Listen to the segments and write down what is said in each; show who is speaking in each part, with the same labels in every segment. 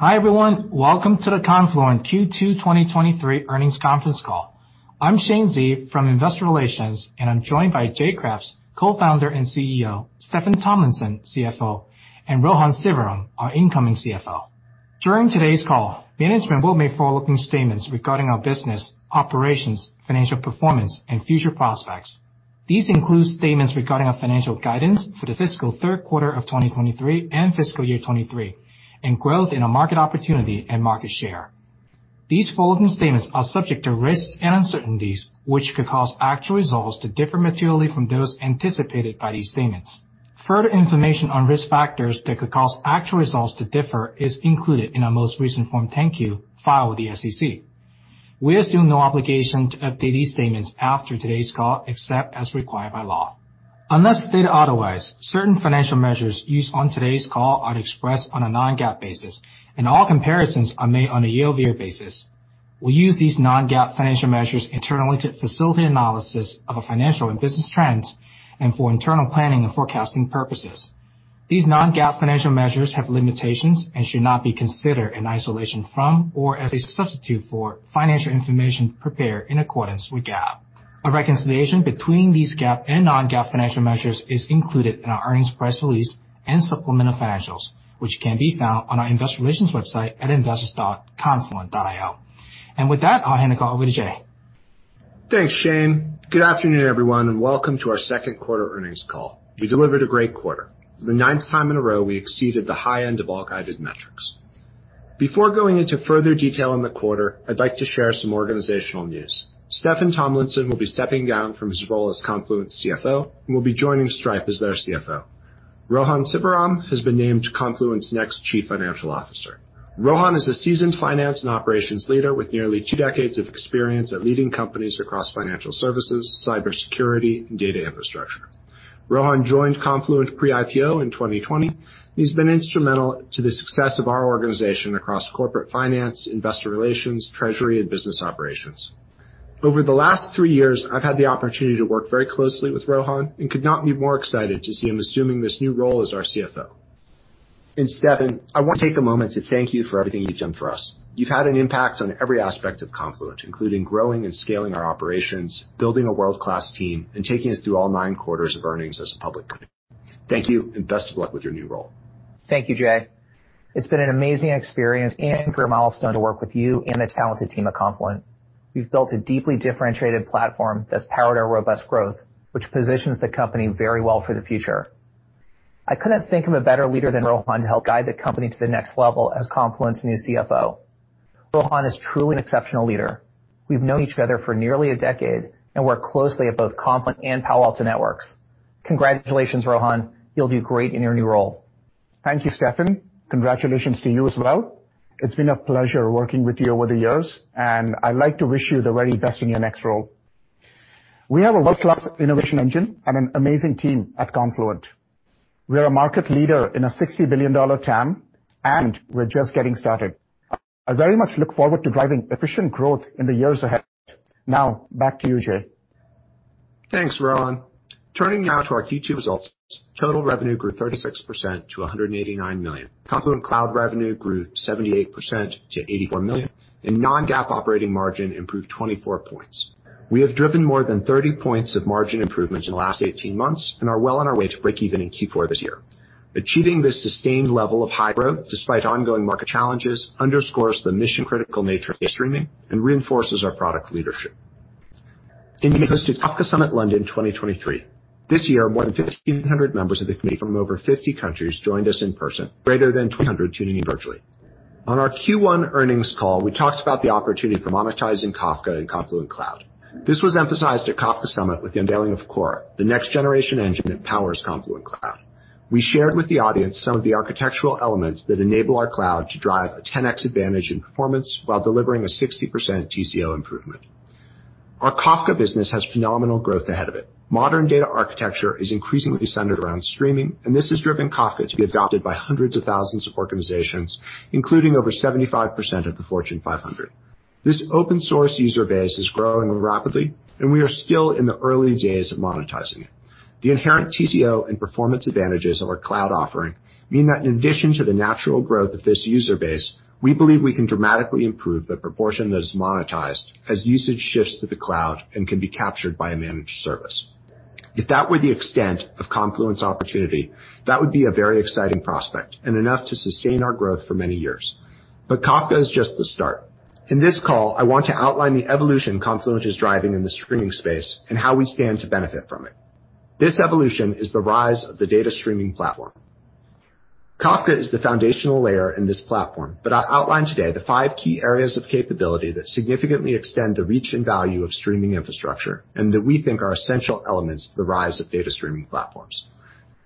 Speaker 1: Hi, everyone. Welcome to the Confluent Q2 2023 earnings conference call. I'm Shane Xie from Investor Relations, and I'm joined by Jay Kreps, Co-founder and CEO, Steffan Tomlinson, CFO, and Rohan Sivaram, our incoming CFO. During today's call, management will make forward-looking statements regarding our business, operations, financial performance, and future prospects. These include statements regarding our financial guidance for the fiscal third quarter of 2023 and fiscal year 2023, and growth in our market opportunity and market share. These forward-looking statements are subject to risks and uncertainties, which could cause actual results to differ materially from those anticipated by these statements. Further information on risk factors that could cause actual results to differ is included in our most recent Form 10-Q filed with the SEC. We assume no obligation to update these statements after today's call, except as required by law. Unless stated otherwise, certain financial measures used on today's call are expressed on a non-GAAP basis, and all comparisons are made on a year-over-year basis. We use these non-GAAP financial measures internally to facilitate analysis of our financial and business trends and for internal planning and forecasting purposes. These non-GAAP financial measures have limitations and should not be considered in isolation from or as a substitute for financial information prepared in accordance with GAAP. A reconciliation between these GAAP and non-GAAP financial measures is included in our earnings press release and supplemental financials, which can be found on our investor relations website at investors.confluent.io. With that, I'll hand the call over to Jay.
Speaker 2: Thanks, Shane. Good afternoon, everyone, and welcome to our second quarter earnings call. We delivered a great quarter. For the ninth time in a row, we exceeded the high end of all guided metrics. Before going into further detail on the quarter, I'd like to share some organizational news. Steffan Tomlinson will be stepping down from his role as Confluent CFO and will be joining Stripe as their CFO. Rohan Sivaram has been named Confluent's next Chief Financial Officer. Rohan is a seasoned finance and operations leader with nearly two decades of experience at leading companies across financial services, cybersecurity, and data infrastructure. Rohan joined Confluent pre-IPO in 2020. He's been instrumental to the success of our organization across corporate finance, investor relations, treasury, and business operations. Over the last three years, I've had the opportunity to work very closely with Rohan and could not be more excited to see him assuming this new role as our CFO. Steffan, I want to take a moment to thank you for everything you've done for us. You've had an impact on every aspect of Confluent, including growing and scaling our operations, building a world-class team, and taking us through all nine quarters of earnings as a public company. Thank you, and best of luck with your new role.
Speaker 3: Thank you, Jay. It's been an amazing experience and career milestone to work with you and the talented team at Confluent. We've built a deeply differentiated platform that's powered our robust growth, which positions the company very well for the future. I couldn't think of a better leader than Rohan to help guide the company to the next level as Confluent's new CFO. Rohan is truly an exceptional leader. We've known each other for nearly a decade and worked closely at both Confluent and Palo Alto Networks. Congratulations, Rohan. You'll do great in your new role.
Speaker 4: Thank you, Steffan. Congratulations to you as well. It's been a pleasure working with you over the years, and I'd like to wish you the very best in your next role. We have a world-class innovation engine and an amazing team at Confluent. We are a market leader in a $60 billion TAM, and we're just getting started. I very much look forward to driving efficient growth in the years ahead. Now, back to you, Jay.
Speaker 2: Thanks, Rohan. Turning now to our Q2 results, total revenue grew 36% to $189 million. Confluent Cloud revenue grew 78% to $84 million. Non-GAAP operating margin improved 24 points. We have driven more than 30 points of margin improvements in the last 18 months and are well on our way to break even in Q4 this year. Achieving this sustained level of high growth despite ongoing market challenges underscores the mission-critical nature of data streaming and reinforces our product leadership. In news to Kafka Summit London 2023, this year, more than 1,500 members of the community from over 50 countries joined us in person, greater than 200 tuning in virtually. On our Q1 earnings call, we talked about the opportunity for monetizing Kafka in Confluent Cloud. This was emphasized at Kafka Summit with the unveiling of Kora, the next-generation engine that powers Confluent Cloud. We shared with the audience some of the architectural elements that enable our cloud to drive a 10x advantage in performance while delivering a 60% TCO improvement. Our Kafka business has phenomenal growth ahead of it. Modern data architecture is increasingly centered around streaming, and this has driven Kafka to be adopted by hundreds of thousands of organizations, including over 75% of the Fortune 500. This open-source user base is growing rapidly, and we are still in the early days of monetizing it. The inherent TCO and performance advantages of our cloud offering mean that in addition to the natural growth of this user base, we believe we can dramatically improve the proportion that is monetized as usage shifts to the cloud and can be captured by a managed service. If that were the extent of Confluent's opportunity, that would be a very exciting prospect and enough to sustain our growth for many years. Kafka is just the start. In this call, I want to outline the evolution Confluent is driving in the streaming space and how we stand to benefit from it. This evolution is the rise of the data streaming platform. Kafka is the foundational layer in this platform, but I outlined today the five key areas of capability that significantly extend the reach and value of streaming infrastructure and that we think are essential elements to the rise of data streaming platforms.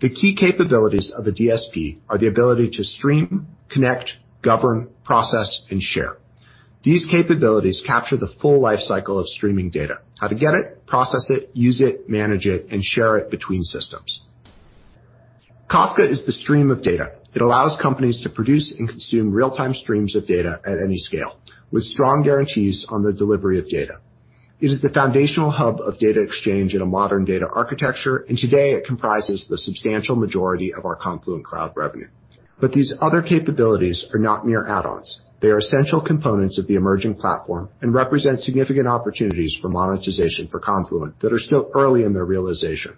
Speaker 2: The key capabilities of a DSP are the ability to stream, connect, govern, process, and share. These capabilities capture the full life cycle of streaming data, how to get it, process it, use it, manage it, and share it between systems. Kafka is the stream of data. It allows companies to produce and consume real-time streams of data at any scale, with strong guarantees on the delivery of data. It is the foundational hub of data exchange in a modern data architecture, and today it comprises the substantial majority of our Confluent Cloud revenue. These other capabilities are not mere add-ons. They are essential components of the emerging platform and represent significant opportunities for monetization for Confluent that are still early in their realization.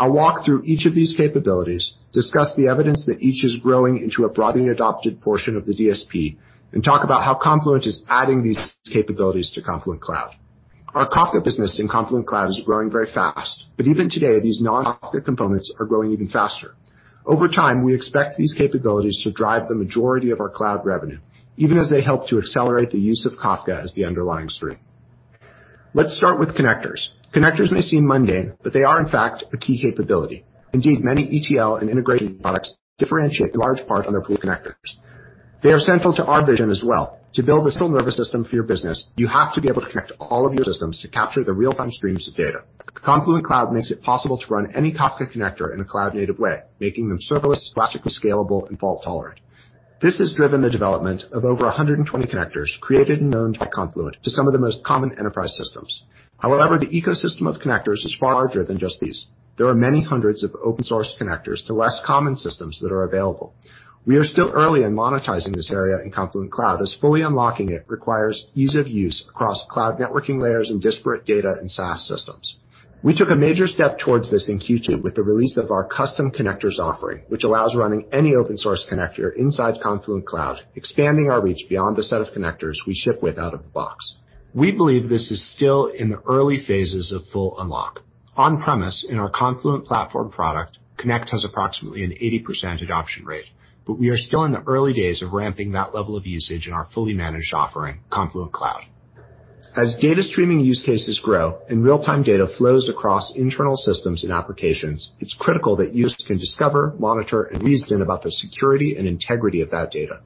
Speaker 2: I'll walk through each of these capabilities, discuss the evidence that each is growing into a broadly adopted portion of the DSP, and talk about how Confluent is adding these capabilities to Confluent Cloud. Our Kafka business in Confluent Cloud is growing very fast, but even today, these non-Kafka components are growing even faster. Over time, we expect these capabilities to drive the majority of our cloud revenue, even as they help to accelerate the use of Kafka as the underlying stream. Let's start with connectors. Connectors may seem mundane, but they are, in fact, a key capability. Indeed, many ETL and integration products differentiate in large part on their pool of connectors. They are central to our vision as well. To build a full nervous system for your business, you have to be able to connect all of your systems to capture the real-time streams of data. Confluent Cloud makes it possible to run any Kafka connector in a cloud-native way, making them serverless, classically scalable, and fault-tolerant. This has driven the development of over 120 connectors created and owned by Confluent to some of the most common enterprise systems. The ecosystem of connectors is far larger than just these. There are many hundreds of open-source connectors to less common systems that are available. We are still early in monetizing this area in Confluent Cloud, as fully unlocking it requires ease of use across cloud networking layers and disparate data and SaaS systems. We took a major step towards this in Q2 with the release of our Custom Connectors offering, which allows running any open-source connector inside Confluent Cloud, expanding our reach beyond the set of connectors we ship with out of the box. We believe this is still in the early phases of full unlock. On-premises, in our Confluent Platform product, Connect has approximately an 80% adoption rate. We are still in the early days of ramping that level of usage in our fully managed offering, Confluent Cloud. As data streaming use cases grow and real-time data flows across internal systems and applications, it's critical that users can discover, monitor, and reason about the security and integrity of that data.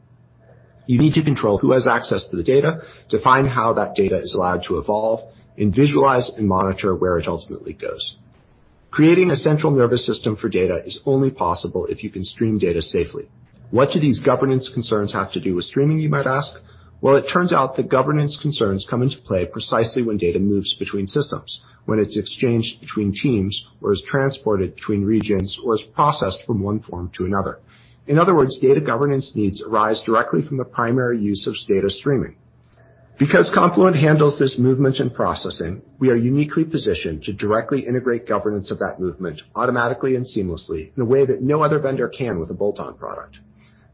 Speaker 2: You need to control who has access to the data, define how that data is allowed to evolve, and visualize and monitor where it ultimately goes. Creating a central nervous system for data is only possible if you can stream data safely. What do these governance concerns have to do with streaming, you might ask? It turns out that governance concerns come into play precisely when data moves between systems, when it's exchanged between teams, or is transported between regions, or is processed from one form to another. In other words, data governance needs arise directly from the primary use of data streaming. Because Confluent handles this movement and processing, we are uniquely positioned to directly integrate governance of that movement automatically and seamlessly in a way that no other vendor can with a bolt-on product.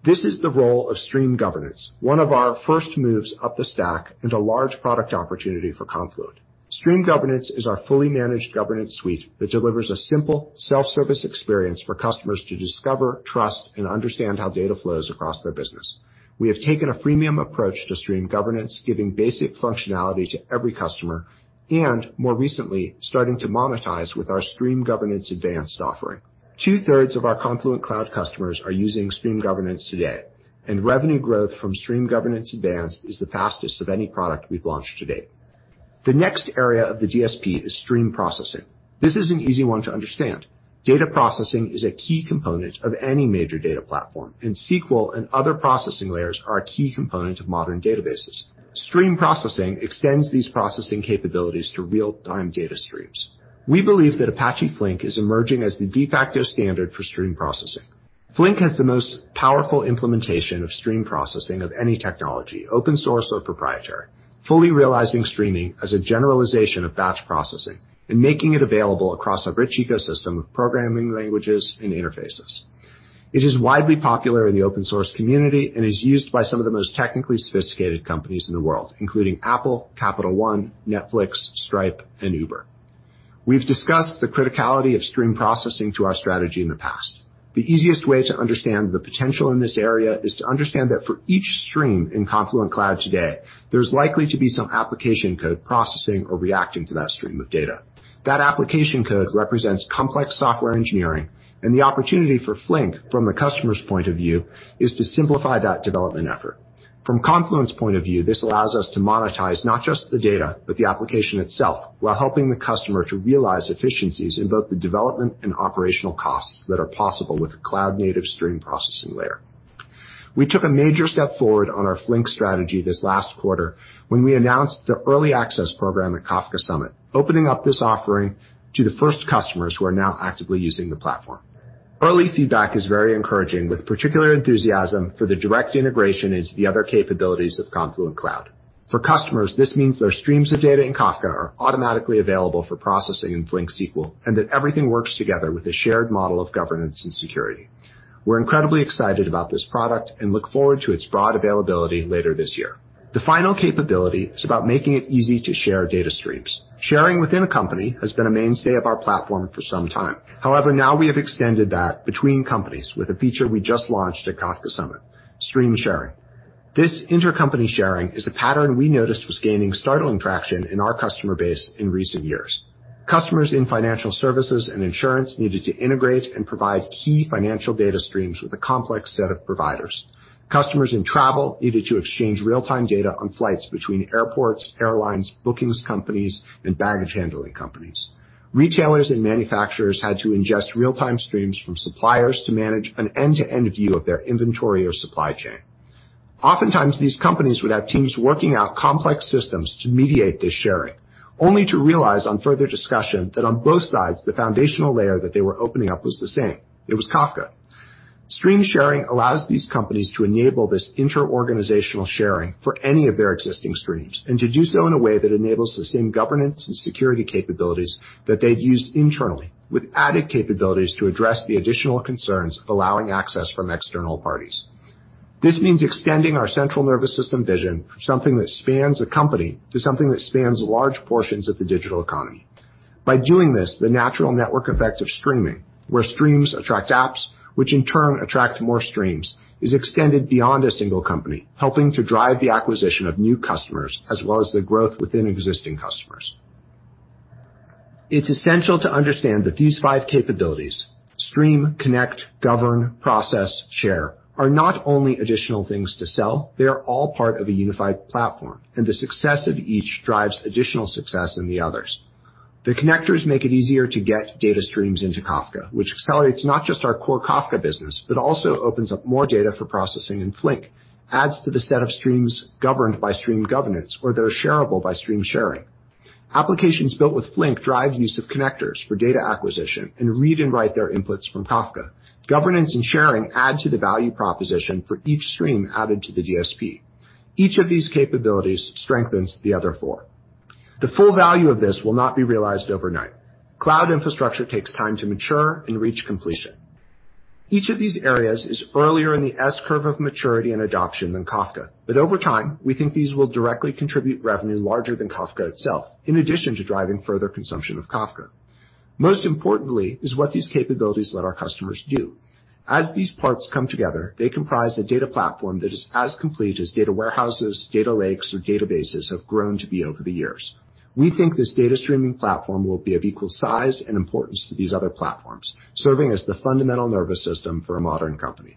Speaker 2: This is the role of Stream Governance, one of our first moves up the stack and a large product opportunity for Confluent. Stream Governance is our fully managed governance suite that delivers a simple self-service experience for customers to discover, trust, and understand how data flows across their business. We have taken a freemium approach to Stream Governance, giving basic functionality to every customer, and more recently, starting to monetize with our Stream Governance Advanced offering. Two-thirds of our Confluent Cloud customers are using Stream Governance today, and revenue growth from Stream Governance Advanced is the fastest of any product we've launched to date. The next area of the DSP is stream processing. This is an easy one to understand. Data processing is a key component of any major data platform, and SQL and other processing layers are a key component of modern databases. Stream processing extends these processing capabilities to real-time data streams. We believe that Apache Flink is emerging as the de facto standard for stream processing. Flink has the most powerful implementation of stream processing of any technology, open-source or proprietary, fully realizing streaming as a generalization of batch processing and making it available across a rich ecosystem of programming languages and interfaces. It is widely popular in the open-source community and is used by some of the most technically sophisticated companies in the world, including Apple, Capital One, Netflix, Stripe, and Uber. We've discussed the criticality of stream processing to our strategy in the past. The easiest way to understand the potential in this area is to understand that for each stream in Confluent Cloud today, there's likely to be some application code processing or reacting to that stream of data. That application code represents complex software engineering, and the opportunity for Flink, from the customer's point of view, is to simplify that development effort. From Confluent's point of view, this allows us to monetize not just the data, but the application itself, while helping the customer to realize efficiencies in both the development and operational costs that are possible with a cloud-native stream processing layer. We took a major step forward on our Flink strategy this last quarter when we announced the Early Access Program at Kafka Summit, opening up this offering to the first customers who are now actively using the platform. Early feedback is very encouraging, with particular enthusiasm for the direct integration into the other capabilities of Confluent Cloud. For customers, this means their streams of data in Kafka are automatically available for processing in Flink SQL, and that everything works together with a shared model of governance and security. We're incredibly excited about this product and look forward to its broad availability later this year. The final capability is about making it easy to share data streams. Sharing within a company has been a mainstay of our platform for some time. Now we have extended that between companies with a feature we just launched at Kafka Summit, Stream Sharing. This intercompany sharing is a pattern we noticed was gaining startling traction in our customer base in recent years. Customers in financial services and insurance needed to integrate and provide key financial data streams with a complex set of providers. Customers in travel needed to exchange real-time data on flights between airports, airlines, bookings companies, and baggage handling companies. Retailers and manufacturers had to ingest real-time streams from suppliers to manage an end-to-end view of their inventory or supply chain. Oftentimes, these companies would have teams working out complex systems to mediate this sharing, only to realize on further discussion, that on both sides, the foundational layer that they were opening up was the same. It was Kafka. Stream Sharing allows these companies to enable this interorganizational sharing for any of their existing streams, and to do so in a way that enables the same governance and security capabilities that they've used internally, with added capabilities to address the additional concerns of allowing access from external parties. This means extending our central nervous system vision, something that spans a company, to something that spans large portions of the digital economy. By doing this, the natural network effect of streaming, where streams attract apps, which in turn attract more streams, is extended beyond a single company, helping to drive the acquisition of new customers, as well as the growth within existing customers. It's essential to understand that these five capabilities, stream, connect, govern, process, share, are not only additional things to sell, they are all part of a unified platform, and the success of each drives additional success in the others. The connectors make it easier to get data streams into Kafka, which accelerates not just our core Kafka business, but also opens up more data for processing in Flink, adds to the set of streams governed by Stream Governance or that are shareable by Stream Sharing. Applications built with Flink drive use of connectors for data acquisition and read and write their inputs from Kafka. Governance and sharing add to the value proposition for each stream added to the DSP. Each of these capabilities strengthens the other four. The full value of this will not be realized overnight. Cloud infrastructure takes time to mature and reach completion. Each of these areas is earlier in the S-curve of maturity and adoption than Kafka, but over time, we think these will directly contribute revenue larger than Kafka itself, in addition to driving further consumption of Kafka. Most importantly is what these capabilities let our customers do. As these parts come together, they comprise a data platform that is as complete as data warehouses, data lakes, or databases have grown to be over the years. We think this data streaming platform will be of equal size and importance to these other platforms, serving as the fundamental nervous system for a modern company.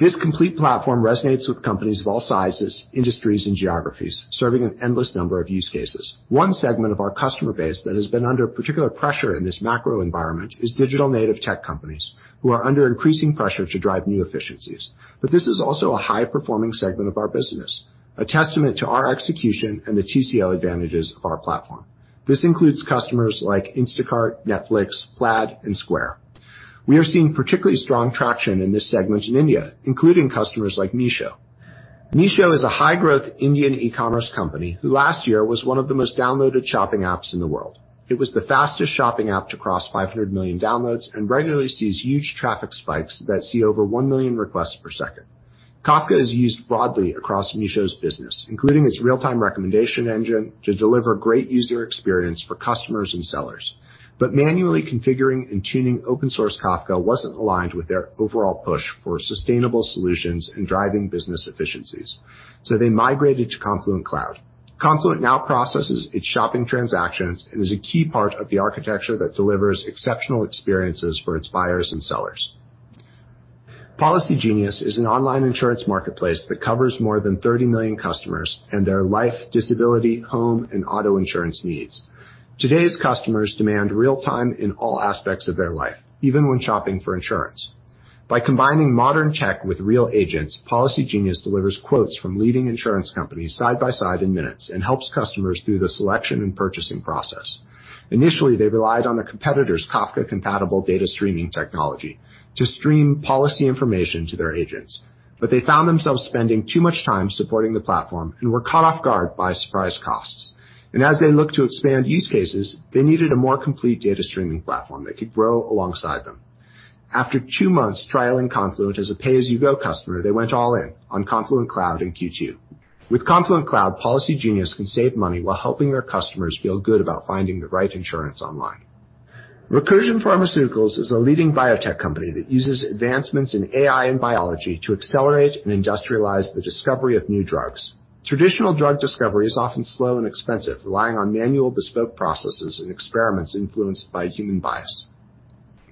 Speaker 2: This complete platform resonates with companies of all sizes, industries, and geographies, serving an endless number of use cases. One segment of our customer base that has been under particular pressure in this macro environment is digital-native tech companies, who are under increasing pressure to drive new efficiencies. This is also a high-performing segment of our business, a testament to our execution and the TCO advantages of our platform. This includes customers like Instacart, Netflix, Plaid, and Square. We are seeing particularly strong traction in this segment in India, including customers like Meesho. Meesho is a high-growth Indian e-commerce company, who last year was one of the most downloaded shopping apps in the world. It was the fastest shopping app to cross 500 million downloads and regularly sees huge traffic spikes that see over 1 million requests per second. Kafka is used broadly across Meesho's business, including its real-time recommendation engine, to deliver great user experience for customers and sellers. Manually configuring and tuning open-source Kafka wasn't aligned with their overall push for sustainable solutions and driving business efficiencies, so they migrated to Confluent Cloud. Confluent now processes its shopping transactions and is a key part of the architecture that delivers exceptional experiences for its buyers and sellers. Policygenius is an online insurance marketplace that covers more than 30 million customers and their life, disability, home, and auto insurance needs. Today's customers demand real time in all aspects of their life, even when shopping for insurance. By combining modern tech with real agents, Policygenius delivers quotes from leading insurance companies side by side in minutes, and helps customers through the selection and purchasing process. Initially, they relied on their competitor's Kafka-compatible data streaming technology to stream policy information to their agents, but they found themselves spending too much time supporting the platform and were caught off guard by surprise costs. As they looked to expand use cases, they needed a more complete data streaming platform that could grow alongside them. After two months trialing Confluent as a pay-as-you-go customer, they went all in on Confluent Cloud in Q2. With Confluent Cloud, Policygenius can save money while helping their customers feel good about finding the right insurance online. Recursion Pharmaceuticals is a leading biotech company that uses advancements in AI and biology to accelerate and industrialize the discovery of new drugs. Traditional drug discovery is often slow and expensive, relying on manual bespoke processes and experiments influenced by human bias.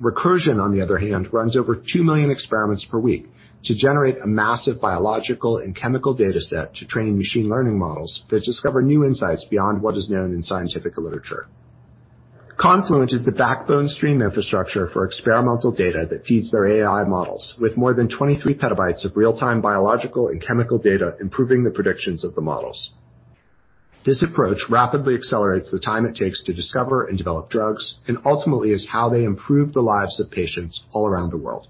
Speaker 2: Recursion, on the other hand, runs over 2 million experiments per week to generate a massive biological and chemical data set to train machine learning models that discover new insights beyond what is known in scientific literature. Confluent is the backbone stream infrastructure for experimental data that feeds their AI models, with more than 23 PB of real-time biological and chemical data, improving the predictions of the models. This approach rapidly accelerates the time it takes to discover and develop drugs, and ultimately is how they improve the lives of patients all around the world.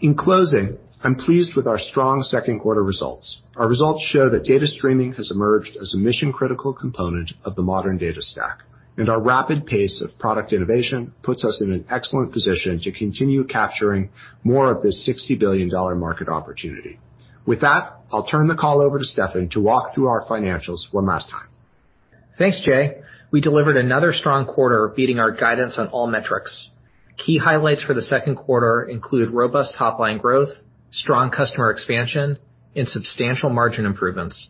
Speaker 2: In closing, I'm pleased with our strong second quarter results. Our results show that data streaming has emerged as a mission-critical component of the modern data stack, and our rapid pace of product innovation puts us in an excellent position to continue capturing more of this $60 billion market opportunity. With that, I'll turn the call over to Steffan to walk through our financials one last time.
Speaker 3: Thanks, Jay. We delivered another strong quarter, beating our guidance on all metrics. Key highlights for the second quarter include robust top-line growth, strong customer expansion, and substantial margin improvements.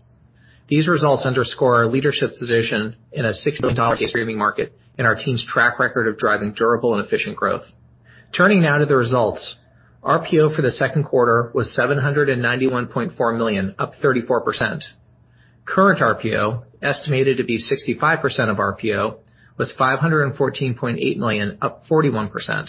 Speaker 3: These results underscore our leadership position in a $60 billion streaming market and our team's track record of driving durable and efficient growth. Turning now to the results. RPO for the second quarter was $791.4 million, up 34%. Current RPO, estimated to be 65% of RPO, was $514.8 million, up 41%.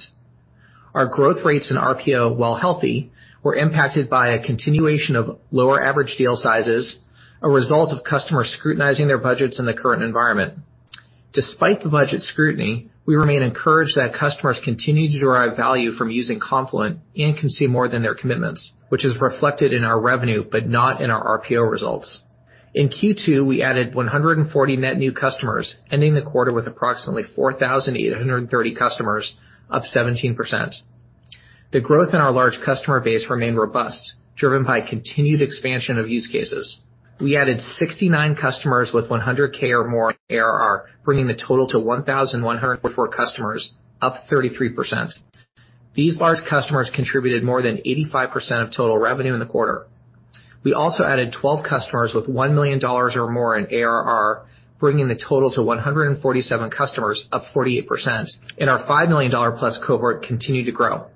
Speaker 3: Our growth rates in RPO, while healthy, were impacted by a continuation of lower average deal sizes, a result of customers scrutinizing their budgets in the current environment. Despite the budget scrutiny, we remain encouraged that customers continue to derive value from using Confluent and consume more than their commitments, which is reflected in our revenue, but not in our RPO results. In Q2, we added 140 net new customers, ending the quarter with approximately 4,830 customers, up 17%. The growth in our large customer base remained robust, driven by continued expansion of use cases. We added 69 customers with 100,000 or more ARR, bringing the total to 1,104 customers, up 33%. These large customers contributed more than 85% of total revenue in the quarter. We also added 12 customers with $1 million or more in ARR, bringing the total to 147 customers, up 48%, and our $5 million+ cohort continued to grow.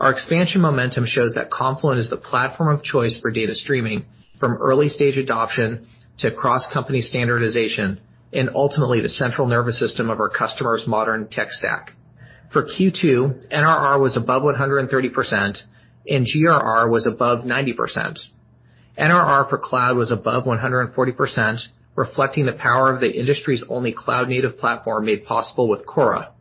Speaker 3: Our expansion momentum shows that Confluent is the platform of choice for data streaming, from early-stage adoption to cross-company standardization, and ultimately, the central nervous system of our customers' modern tech stack. For Q2, NRR was above 130%, and GRR was above 90%. NRR for cloud was above 140%, reflecting the power of the industry's only cloud-native platform, made possible with Kora.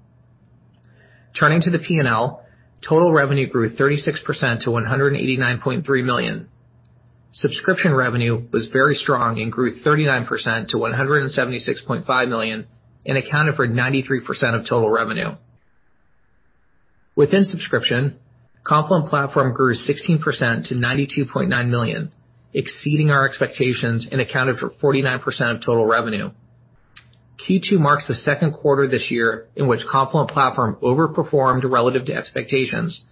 Speaker 3: Turning to the P&L, total revenue grew 36% to $189.3 million. Subscription revenue was very strong and grew 39% to $176.5 million and accounted for 93% of total revenue. Within subscription, Confluent Platform grew 16% to $92.9 million, exceeding our expectations and accounted for 49% of total revenue. Q2 marks the second quarter this year in which Confluent Platform overperformed relative to expectations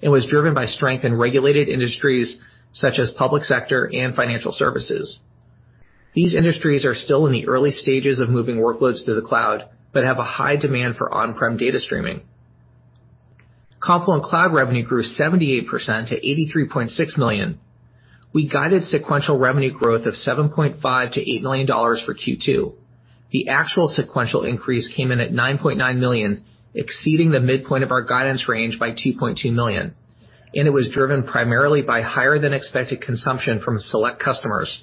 Speaker 3: and was driven by strength in regulated industries such as public sector and financial services. These industries are still in the early-stages of moving workloads to the cloud, but have a high demand for on-prem data streaming. Confluent Cloud revenue grew 78% to $83.6 million. We guided sequential revenue growth of $7.5 million-$8 million for Q2. The actual sequential increase came in at $9.9 million, exceeding the midpoint of our guidance range by $2.2 million. It was driven primarily by higher-than-expected consumption from select customers.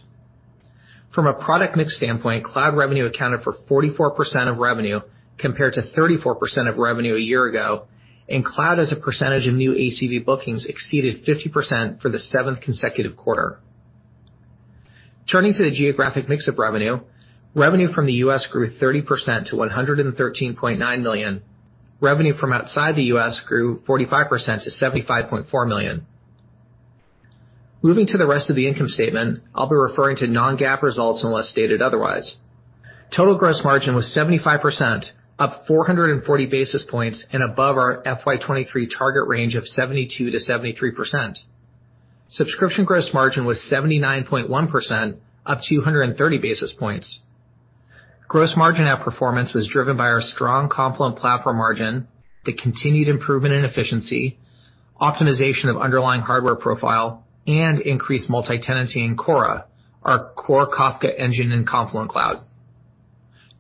Speaker 3: From a product mix standpoint, cloud revenue accounted for 44% of revenue, compared to 34% of revenue a year ago, and cloud, as a percentage of new ACV bookings, exceeded 50% for the seventh consecutive quarter. Turning to the geographic mix of revenue, revenue from the U.S. grew 30% to $113.9 million. Revenue from outside the U.S. grew 45% to $75.4 million. Moving to the rest of the income statement, I'll be referring to non-GAAP results unless stated otherwise. Total gross margin was 75%, up 440 basis points, and above our FY '23 target range of 72%-73%. Subscription gross margin was 79.1%, up 230 basis points. Gross margin outperformance was driven by our strong Confluent Platform margin, the continued improvement in efficiency, optimization of underlying hardware profile, and increased multi-tenancy in Kora, our core Kafka engine in Confluent Cloud.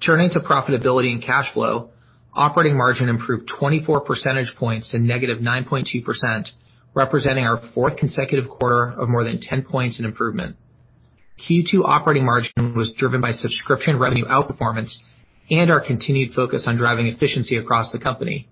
Speaker 3: Turning to profitability and cash flow, operating margin improved 24 percentage points to -9.2%, representing our fourth consecutive quarter of more than 10 points in improvement. Q2 operating margin was driven by subscription revenue outperformance and our continued focus on driving efficiency across the company.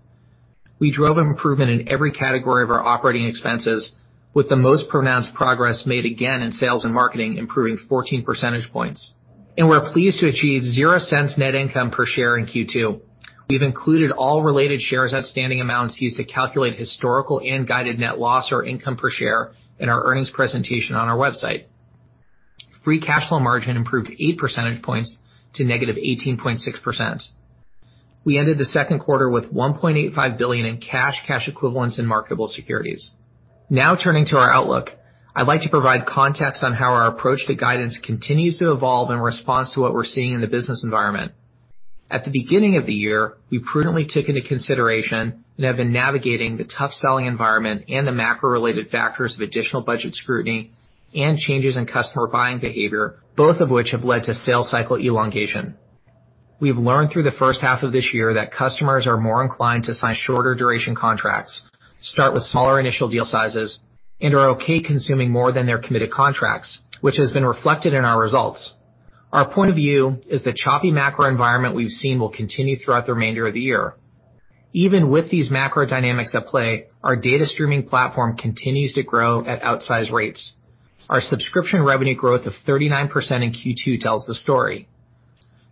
Speaker 3: We drove improvement in every category of our operating expenses, with the most pronounced progress made again in sales and marketing, improving 14 percentage points, and we're pleased to achieve $0.00 net income per share in Q2. We've included all related shares, outstanding amounts used to calculate historical and guided net loss or income per share in our earnings presentation on our website. Free cash flow margin improved 8 percentage points to -18.6%. We ended the second quarter with $1.85 billion in cash, cash equivalents, and marketable securities. Now, turning to our outlook, I'd like to provide context on how our approach to guidance continues to evolve in response to what we're seeing in the business environment. At the beginning of the year, we prudently took into consideration, and have been navigating the tough selling environment and the macro-related factors of additional budget scrutiny and changes in customer buying behavior, both of which have led to sales cycle elongation. We've learned through the first half of this year that customers are more inclined to sign shorter duration contracts, start with smaller initial deal sizes, and are okay consuming more than their committed contracts, which has been reflected in our results. Our point of view is the choppy macro environment we've seen will continue throughout the remainder of the year. Even with these macro dynamics at play, our data streaming platform continues to grow at outsized rates. Our subscription revenue growth of 39% in Q2 tells the story.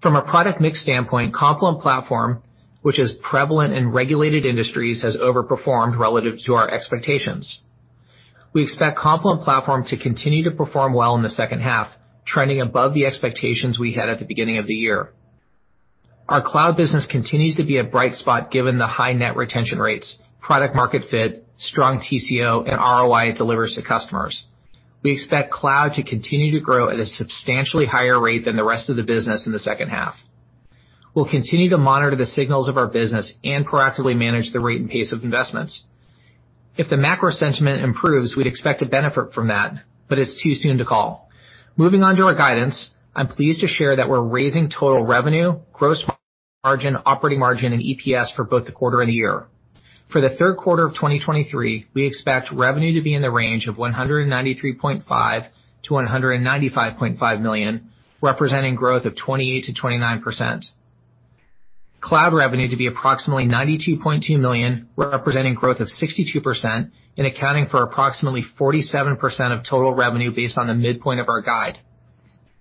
Speaker 3: From a product mix standpoint, Confluent Platform, which is prevalent in regulated industries, has overperformed relative to our expectations. We expect Confluent Platform to continue to perform well in the second half, trending above the expectations we had at the beginning of the year. Our cloud business continues to be a bright spot given the high net retention rates, product market fit, strong TCO, and ROI it delivers to customers. We expect cloud to continue to grow at a substantially higher rate than the rest of the business in the second half. We'll continue to monitor the signals of our business and proactively manage the rate and pace of investments. If the macro sentiment improves, we'd expect to benefit from that, but it's too soon to call. Moving on to our guidance. I'm pleased to share that we're raising total revenue, gross margin, operating margin, and EPS for both the quarter and the year. For the third quarter of 2023, we expect revenue to be in the range of $193.5 million-$195.5 million, representing growth of 28%-29%. Cloud revenue to be approximately $92.2 million, representing growth of 62% and accounting for approximately 47% of total revenue based on the midpoint of our guide.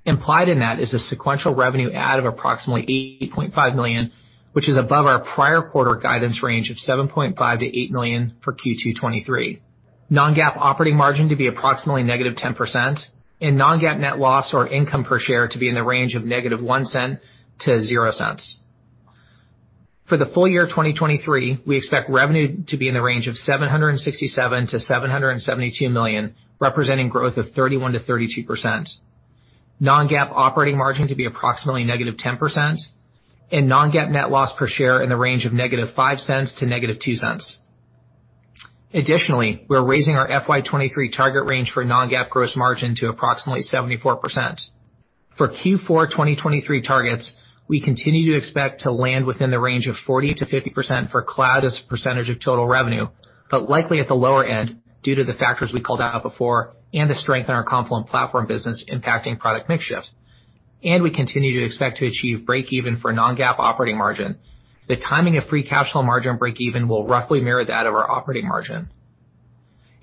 Speaker 3: Implied in that is a sequential revenue add of approximately $80.5 million, which is above our prior quarter guidance range of $7.5 million-$8 million for Q2 2023. Non-GAAP operating margin to be approximately -10% and non-GAAP net loss or income per share to be in the range of -$0.01 to $0.00. For the full year of 2023, we expect revenue to be in the range of $767 million-$772 million, representing growth of 31%-32%. Non-GAAP operating margin to be approximately -10% and non-GAAP net loss per share in the range of -$0.05 to -$0.02. Additionally, we're raising our FY 2023 target range for non-GAAP gross margin to approximately 74%. For Q4 2023 targets, we continue to expect to land within the range of 40%-50% for cloud as a percentage of total revenue, but likely at the lower end, due to the factors we called out before and the strength in our Confluent Platform business impacting product mix shift. We continue to expect to achieve breakeven for non-GAAP operating margin. The timing of free cash flow margin breakeven will roughly mirror that of our operating margin.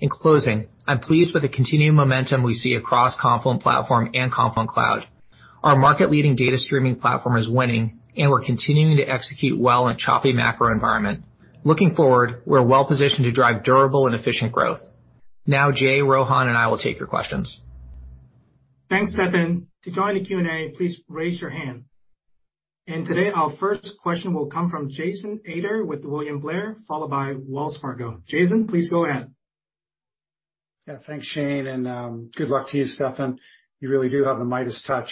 Speaker 3: In closing, I'm pleased with the continuing momentum we see across Confluent Platform and Confluent Cloud. Our market-leading data streaming platform is winning, and we're continuing to execute well in a choppy macro environment. Looking forward, we're well-positioned to drive durable and efficient growth. Now, Jay, Rohan, and I will take your questions.
Speaker 1: Thanks, Steffan. To join the Q&A, please raise your hand. Today, our first question will come from Jason Ader with William Blair, followed by Wells Fargo. Jason, please go ahead.
Speaker 5: Yeah, thanks, Shane, and good luck to you, Steffan. You really do have the Midas touch,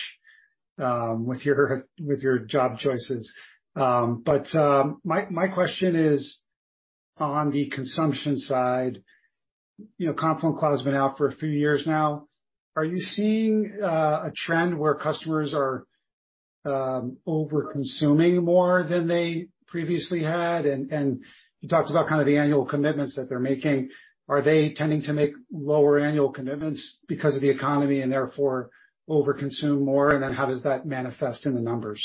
Speaker 5: with your, with your job choices. My question is on the consumption side. You know, Confluent Cloud has been out for a few years now. Are you seeing, a trend where customers are, overconsuming more than they previously had? You talked about kind of the annual commitments that they're making. Are they tending to make lower annual commitments because of the economy and therefore overconsume more? Then how does that manifest in the numbers?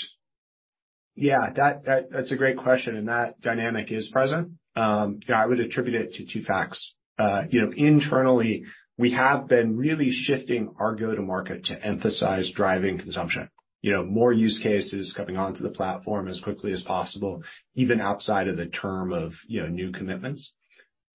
Speaker 3: Yeah, that, that's a great question. That dynamic is present. Yeah, I would attribute it to two facts. You know, internally, we have been really shifting our go-to-market to emphasize driving consumption. You know, more use cases coming onto the platform as quickly as possible, even outside of the term of, you know, new commitments.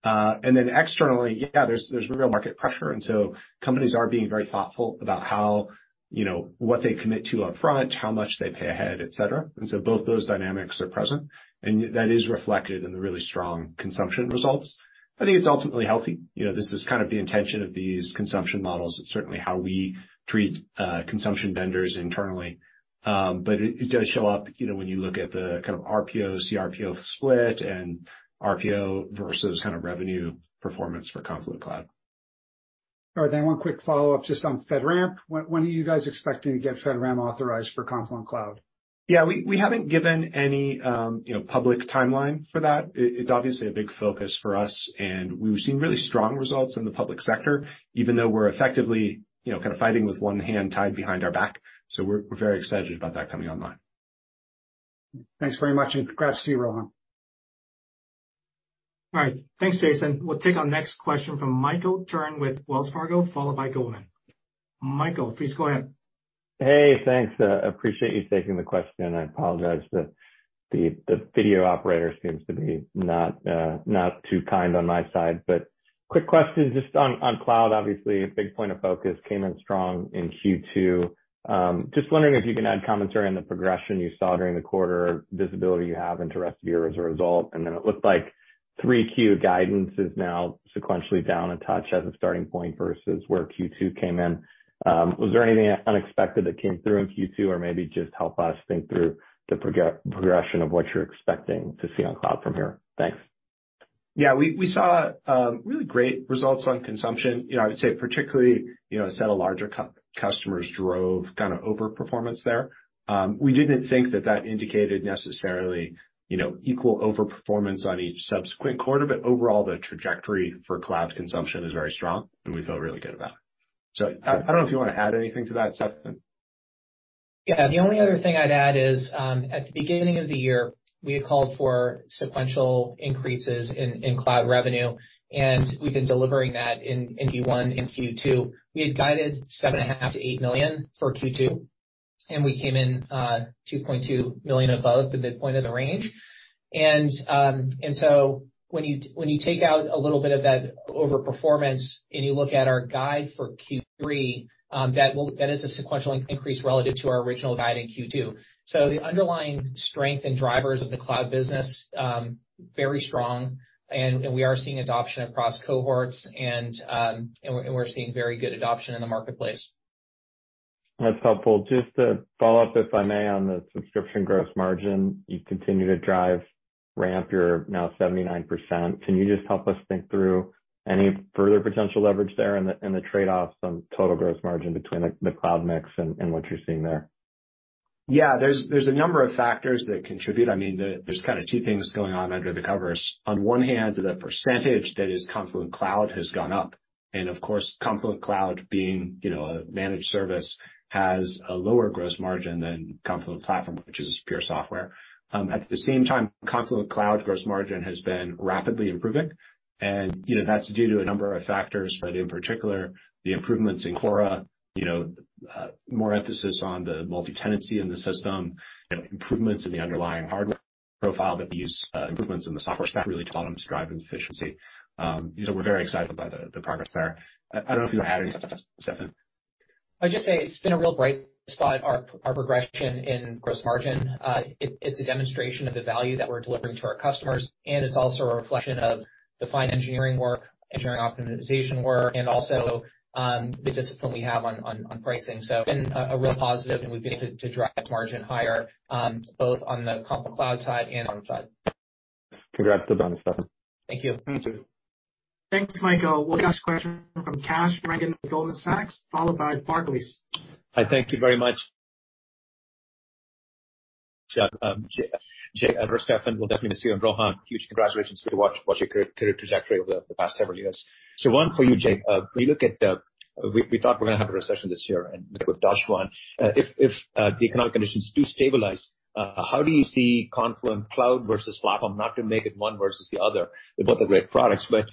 Speaker 3: Then externally, yeah, there's, there's real market pressure, so companies are being very thoughtful about how, you know, what they commit to upfront, how much they pay ahead, et cetera. So both those dynamics are present, and that is reflected in the really strong consumption results. I think it's ultimately healthy. You know, this is kind of the intention of these consumption models. It's certainly how we treat consumption vendors internally. It, it does show up, you know, when you look at the kind of RPOs, the RPO split and RPO versus kind of revenue performance for Confluent Cloud.
Speaker 5: All right, one quick follow-up just on FedRAMP. When, when are you guys expecting to get FedRAMP authorized for Confluent Cloud?
Speaker 3: Yeah, we, we haven't given any, you know, public timeline for that. It's obviously a big focus for us. We've seen really strong results in the public sector, even though we're effectively, you know, kind of fighting with one hand tied behind our back. We're very excited about that coming online.
Speaker 5: Thanks very much, and congrats to you, Rohan.
Speaker 1: All right. Thanks, Jason. We'll take our next question from Michael Turrin with Wells Fargo, followed by Goldman. Michael, please go ahead.
Speaker 6: Hey, thanks. Appreciate you taking the question. I apologize, the video operator seems to be not too kind on my side, but quick question, just on cloud. Obviously, a big point of focus came in strong in Q2. Just wondering if you can add commentary on the progression you saw during the quarter, visibility you have into rest of the year as a result. Then it looked like 3Q guidance is now sequentially down a touch as a starting point versus where Q2 came in. Was there anything unexpected that came through in Q2? Maybe just help us think through the progression of what you're expecting to see on cloud from here. Thanks.
Speaker 3: Yeah, we saw, really great results on consumption. You know, I would say particularly, you know, a set of larger customers drove kind of overperformance there. We didn't think that that indicated necessarily, you know, equal overperformance on each subsequent quarter, but overall, the trajectory for cloud consumption is very strong, and we feel really good about it. I, I don't know if you want to add anything to that, Steffan? Yeah, the only other thing I'd add is, at the beginning of the year, we had called for sequential increases in, in cloud revenue, and we've been delivering that in, in Q1 and Q2. We had guided $7.5 million-$8 million for Q2, and we came in, $2.2 million above the midpoint of the range. When you, when you take out a little bit of that overperformance, and you look at our guide for Q3, that is a sequential increase relative to our original guide in Q2. The underlying strength and drivers of the cloud business, very strong, and, and we are seeing adoption across cohorts, and we, and we're seeing very good adoption in the marketplace.
Speaker 6: That's helpful. Just to follow up, if I may, on the subscription gross margin, you've continued to drive ramp. You're now 79%. Can you just help us think through any further potential leverage there and the trade-offs on total gross margin between the cloud mix and what you're seeing there?
Speaker 2: Yeah, there's, there's a number of factors that contribute. I mean, there's kind of two things going on under the covers. On one hand, the percentage that is Confluent Cloud has gone up, and of course, Confluent Cloud being, you know, a managed service, has a lower gross margin than Confluent Platform, which is pure software. At the same time, Confluent Cloud gross margin has been rapidly improving, and, you know, that's due to a number of factors, but in particular, the improvements in Kora, you know, more emphasis on the multi-tenancy in the system, and improvements in the underlying hardware profile that we use, improvements in the software stack really taught them to drive efficiency. You know, we're very excited by the, the progress there. I, I don't know if you add anything, Steffan.
Speaker 3: I'd just say it's been a real bright spot, our, our progression in gross margin. It, it's a demonstration of the value that we're delivering to our customers, and it's also a reflection of the fine engineering work, engineering optimization work, and also, the discipline we have on, on, on pricing. It's been a, a real positive, and we've been able to, to drive margin higher, both on the Confluent Cloud side and on the side.
Speaker 6: Congrats, well done, Steffan.
Speaker 3: Thank you.
Speaker 2: Thank you.
Speaker 1: Thanks, Michael. We'll next question from Kash Rangan at Goldman Sachs, followed by Barclays.
Speaker 7: Hi, thank you very much. Jay and Steffan, we'll definitely miss you. Rohan, huge congratulations for your watch- watch your career, career trajectory over the past several years. One for you, Jay. We look at, we, we thought we're gonna have a recession this year, and with one, if, if, the economic conditions do stabilize, how do you see Confluent Cloud versus platform? Not to make it one versus the other, they're both are great products, but,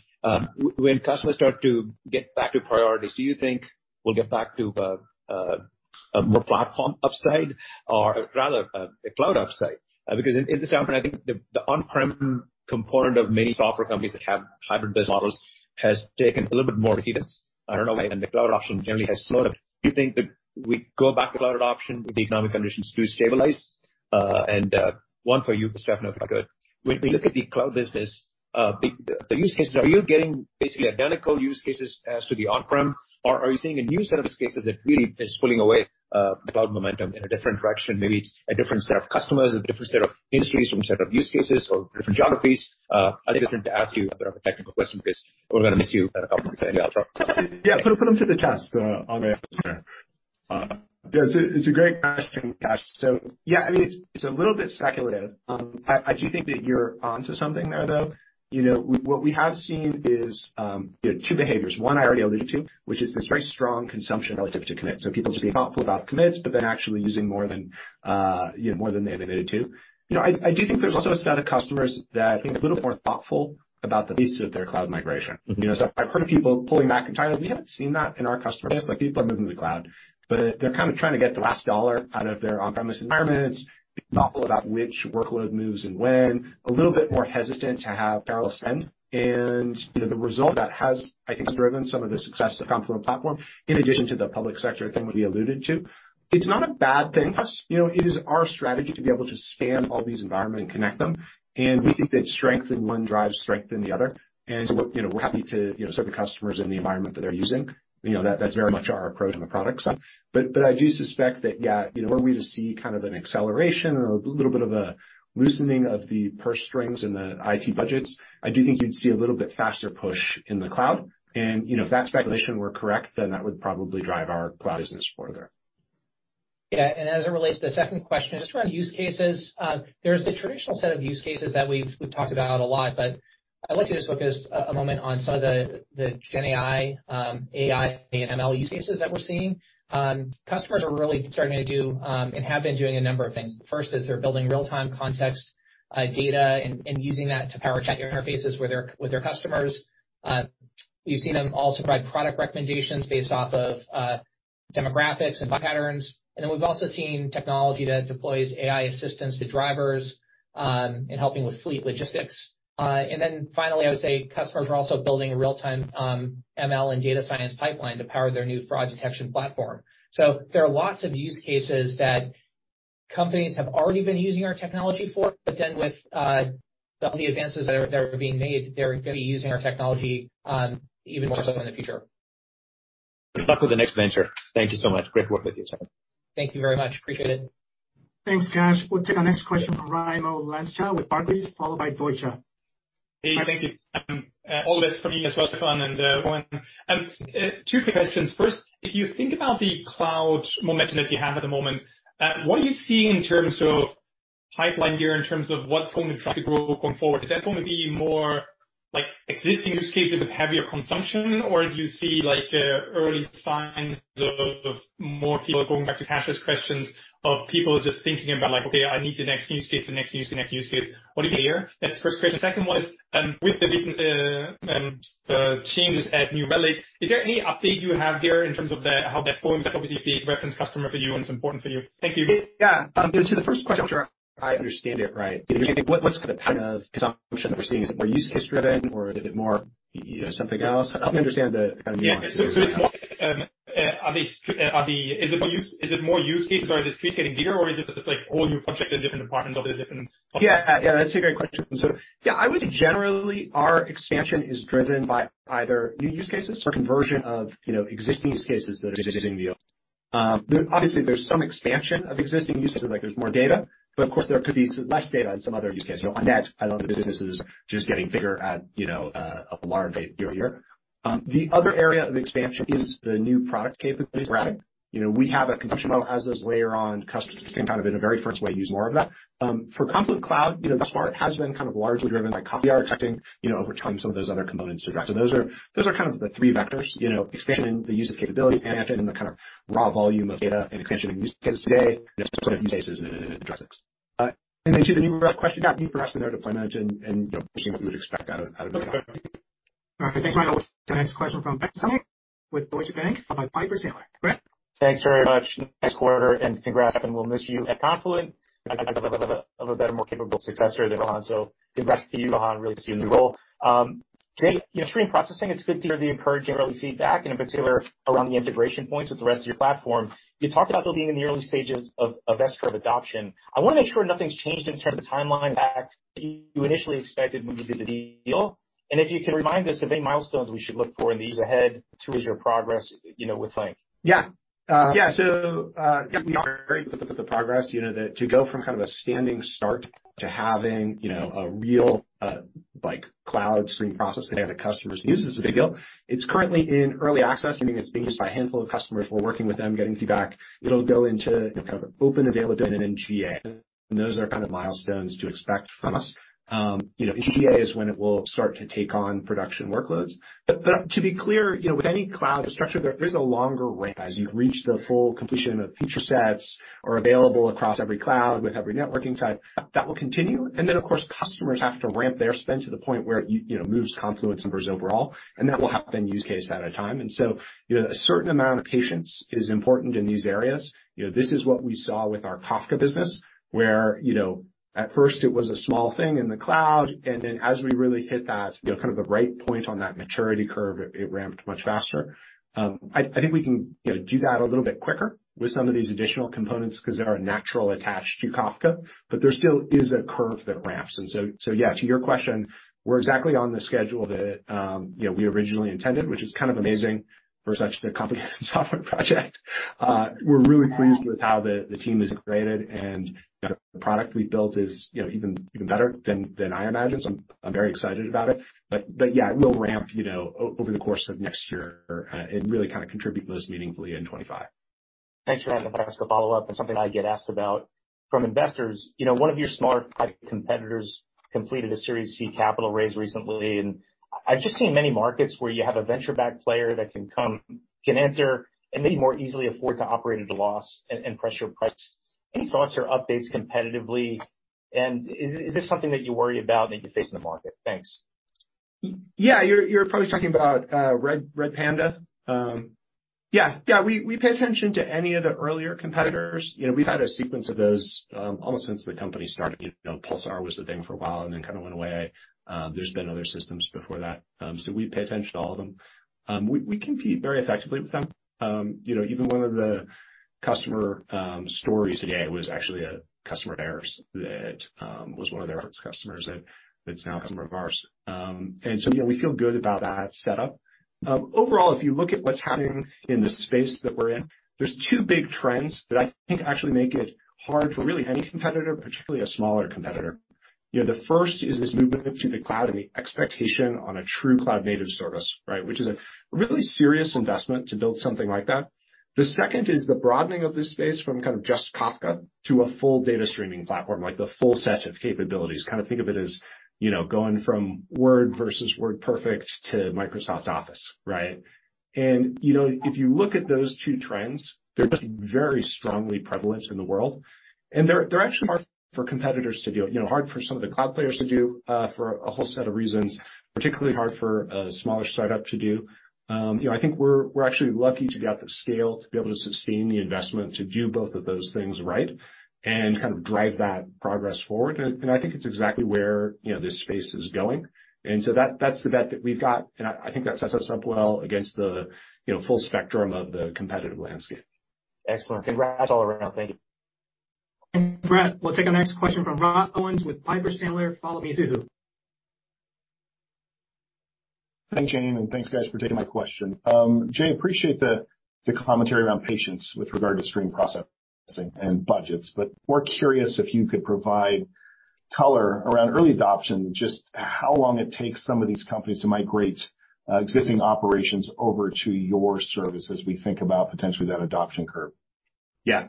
Speaker 7: when customers start to get back to priorities, do you think we'll get back to a more platform upside, or rather, a cloud upside? In this environment, I think the, the on-prem component of many software companies that have hybrid business models has taken a little bit more resilience. I don't know why. The cloud option generally has slowed up. Do you think that we go back to cloud option if the economic conditions do stabilize? One for you, Steffan, if I could. When we look at the cloud business, the use cases, are you getting basically identical use cases as to the on-prem, or are you seeing a new set of use cases that really is pulling away cloud momentum in a different direction? Maybe it's a different set of customers, a different set of industries, different set of use cases, or different geographies. I think I'm going to ask you a bit of a technical question because we're gonna miss you in a couple of days.
Speaker 2: Yeah. Put them to the test, Amir. Yes, it's a great question, Kash. Yeah, I mean, it's, it's a little bit speculative. I, I do think that you're onto something there, though. You know, what we have seen is two behaviors. One I already alluded to, which is this very strong consumption relative to commits. People just be thoughtful about commits, but then actually using more than, you know, more than they admitted to. You know, I, I do think there's also a set of customers that are being a little more thoughtful about the leases of their cloud migration. You know, I've heard of people pulling back entirely. We haven't seen that in our customers. Like, people are moving to the cloud, but they're kind of trying to get the last dollar out of their on-premises environments, being thoughtful about which workload moves and when, a little bit more hesitant to have parallel spend. You know, the result of that has, I think, driven some of the success of Confluent Platform, in addition to the public sector thing that we alluded to. It's not a bad thing. You know, it is our strategy to be able to span all these environments and connect them, and we think that strength in one drives strength in the other. You know, we're happy to, you know, serve the customers in the environment that they're using. You know, that's very much our approach on the product side. But I do suspect that, yeah, you know, were we to see kind of an acceleration or a little bit of a loosening of the purse strings in the IT budgets, I do think you'd see a little bit faster push in the cloud. You know, if that speculation were correct, then that would probably drive our cloud business further.
Speaker 3: Yeah, as it relates to the second question, just around use cases, there's the traditional set of use cases that we've, we've talked about a lot, but I'd like to just focus a moment on some of the GenAI, AI, and ML use cases that we're seeing. Customers are really starting to do, and have been doing a number of things. First, is they're building real-time context, data and using that to power chat interfaces with their customers. We've seen them also provide product recommendations based off of demographics and patterns. Then we've also seen technology that deploys AI assistants to drivers, in helping with fleet logistics. Then finally, I would say customers are also building a real-time ML and data science pipeline to power their new fraud detection platform. There are lots of use cases that companies have already been using our technology for, but then with the advances that are, that are being made, they're going to be using our technology even more so in the future.
Speaker 7: Good luck with the next venture. Thank you so much. Great to work with you, Steffan.
Speaker 3: Thank you very much. Appreciate it.
Speaker 1: Thanks, Kash. We'll take our next question from Raimo Lenschow with Barclays, followed by Deutsche.
Speaker 8: Hey, thank you. All this for me as well, Steffan and Rohan. Two quick questions. First, if you think about the cloud momentum that you have at the moment, what are you seeing in terms of pipeline here, in terms of what's going to drive the growth going forward? Is that going to be more like existing use cases with heavier consumption, or do you see, like, early signs of more people, going back to Kash's questions, of people just thinking about, like, okay, I need the next use case, the next use case, the next use case. What do you hear? That's the first question. Second one is, with the recent changes at New Relic, is there any update you have there in terms of the, how that's going? That's obviously a big reference customer for you, and it's important for you. Thank you.
Speaker 2: Yeah, to the first question, I'm sure I understand it right? What's the kind of consumption that we're seeing? Is it more use case driven, or is it more, you know, something else? Help me understand the kind of...
Speaker 8: Yeah. It's more, are they, is it more use cases, or are the streams getting bigger, or is it just like all new projects in different departments or the different?
Speaker 2: Yeah. Yeah, that's a great question. Yeah, I would say generally, our expansion is driven by either new use cases or conversion of, you know, existing use cases that are using the old. Obviously, there's some expansion of existing use cases, like there's more data, but of course, there could be less data in some other use cases. On net, I know the business is just getting bigger at, you know, a large rate year-over-year. The other area of expansion is the new product capabilities we're adding. You know, we have a consumption model as this layer on customers can kind of, in a very first way, use more of that. For Confluent Cloud, you know, thus far, it has been kind of largely driven by Kafka, protecting, you know, over time, some of those other components to address. Those are, those are kind of the three vectors, you know, expansion in the use of capabilities, expansion in the kind of raw volume of data, and expansion of use cases today, use cases and adjacencies. Then to the New Relic question, yeah, New Relic is in our deployment and, you know, we would expect out of-.
Speaker 1: All right. Thanks, Lenschow. The next question from Brad Zelnick with Deutsche Bank, followed by Piper Sandler. Brad?
Speaker 9: Thanks very much. Nice quarter, and congrats, and we'll miss you at Confluent. Of a better, more capable successor than Rohan, so congrats to you, Rohan. Really see you in the role. Jay, your stream processing, it's good to hear the encouraging early feedback, and in particular, around the integration points with the rest of your platform. You talked about still being in the early-stages of, of S-curve adoption. I want to make sure nothing's changed in terms of the timeline that you initially expected when you did the deal, and if you can remind us of any milestones we should look for in the years ahead towards your progress, you know, with Flink?
Speaker 2: Yeah. Yeah, we are very with the progress, you know, that to go from kind of a standing start to having, you know, a real, like, cloud stream processing that customers use is a big deal. It's currently in early access, meaning it's being used by a handful of customers. We're working with them, getting feedback. It'll go into kind of open availability and then GA. Those are kind of milestones to expect from us. You know, GA is when it will start to take on production workloads. To be clear, you know, with any cloud structure, there is a longer range as you reach the full completion of feature sets are available across every cloud with every networking type. That will continue, and then, of course, customers have to ramp their spend to the point where you, you know, moves Confluent numbers overall, and that will happen use case at a time. So, you know, a certain amount of patience is important in these areas. You know, this is what we saw with our Kafka business, where, you know, at first it was a small thing in the cloud, and then as we really hit that, you know, kind of the right point on that maturity curve, it, it ramped much faster. I, I think we can, you know, do that a little bit quicker with some of these additional components because they are naturally attached to Kafka, but there still is a curve that ramps. Yeah, to your question, we're exactly on the schedule that, you know, we originally intended, which is kind of amazing for such a complicated software project. We're really pleased with how the team has created and the product we've built is, you know, even, even better than I imagined, so I'm very excited about it. Yeah, it will ramp, you know, over the course of next year and really kind of contribute to this meaningfully in 2025.
Speaker 9: Thanks for having me. I'll ask a follow-up and something I get asked about from investors. You know, one of your smart competitors completed a Series C capital raise recently. I've just seen many markets where you have a venture-backed player that can come, can enter, and maybe more easily afford to operate at a loss and, and press your price. Any thoughts or updates competitively? Is this something that you worry about and you face in the market? Thanks.
Speaker 2: Yeah, you're, you're probably talking about Redpanda. Yeah, yeah, we, we pay attention to any of the earlier competitors. You know, we've had a sequence of those almost since the company started. You know, Pulsar was the thing for a while and then kind of went away. There's been other systems before that. We pay attention to all of them. We, we compete very effectively with them. You know, even one of the customer stories today was actually a customer of ours that was one of their first customers, and it's now a customer of ours. You know, we feel good about that setup. Overall, if you look at what's happening in the space that we're in, there's two big trends that I think actually make it hard for really any competitor, particularly a smaller competitor. You know, the first is this movement to the cloud and the expectation on a true cloud-native service, right? Which is a really serious investment to build something like that. The second is the broadening of this space from kind of just Kafka to a full data streaming platform, like the full set of capabilities. Kind of think of it as, you know, going from Word versus WordPerfect to Microsoft Office, right? You know, if you look at those two trends, they're just very strongly prevalent in the world, and they're, they're actually hard for competitors to do. You know, hard for some of the cloud players to do, for a whole set of reasons, particularly hard for a smaller startup to do. You know, I think we're, we're actually lucky to be at the scale, to be able to sustain the investment, to do both of those things right, and kind of drive that progress forward. I think it's exactly where, you know, this space is going. So that-that's the bet that we've got, and I, I think that sets us up well against the, you know, full spectrum of the competitive landscape.
Speaker 9: Excellent. Congrats all around. Thank you.
Speaker 1: Thanks, Brad. We'll take our next question from Rob Owens with Piper Sandler, followed by Mizuho.
Speaker 10: Thanks, Jay. Thanks, guys, for taking my question. Jay, appreciate the, the commentary around patience with regard to stream processing and budgets. We're curious if you could provide color around early adoption, just how long it takes some of these companies to migrate, existing operations over to your service, as we think about potentially that adoption curve?
Speaker 2: Yeah. Yeah,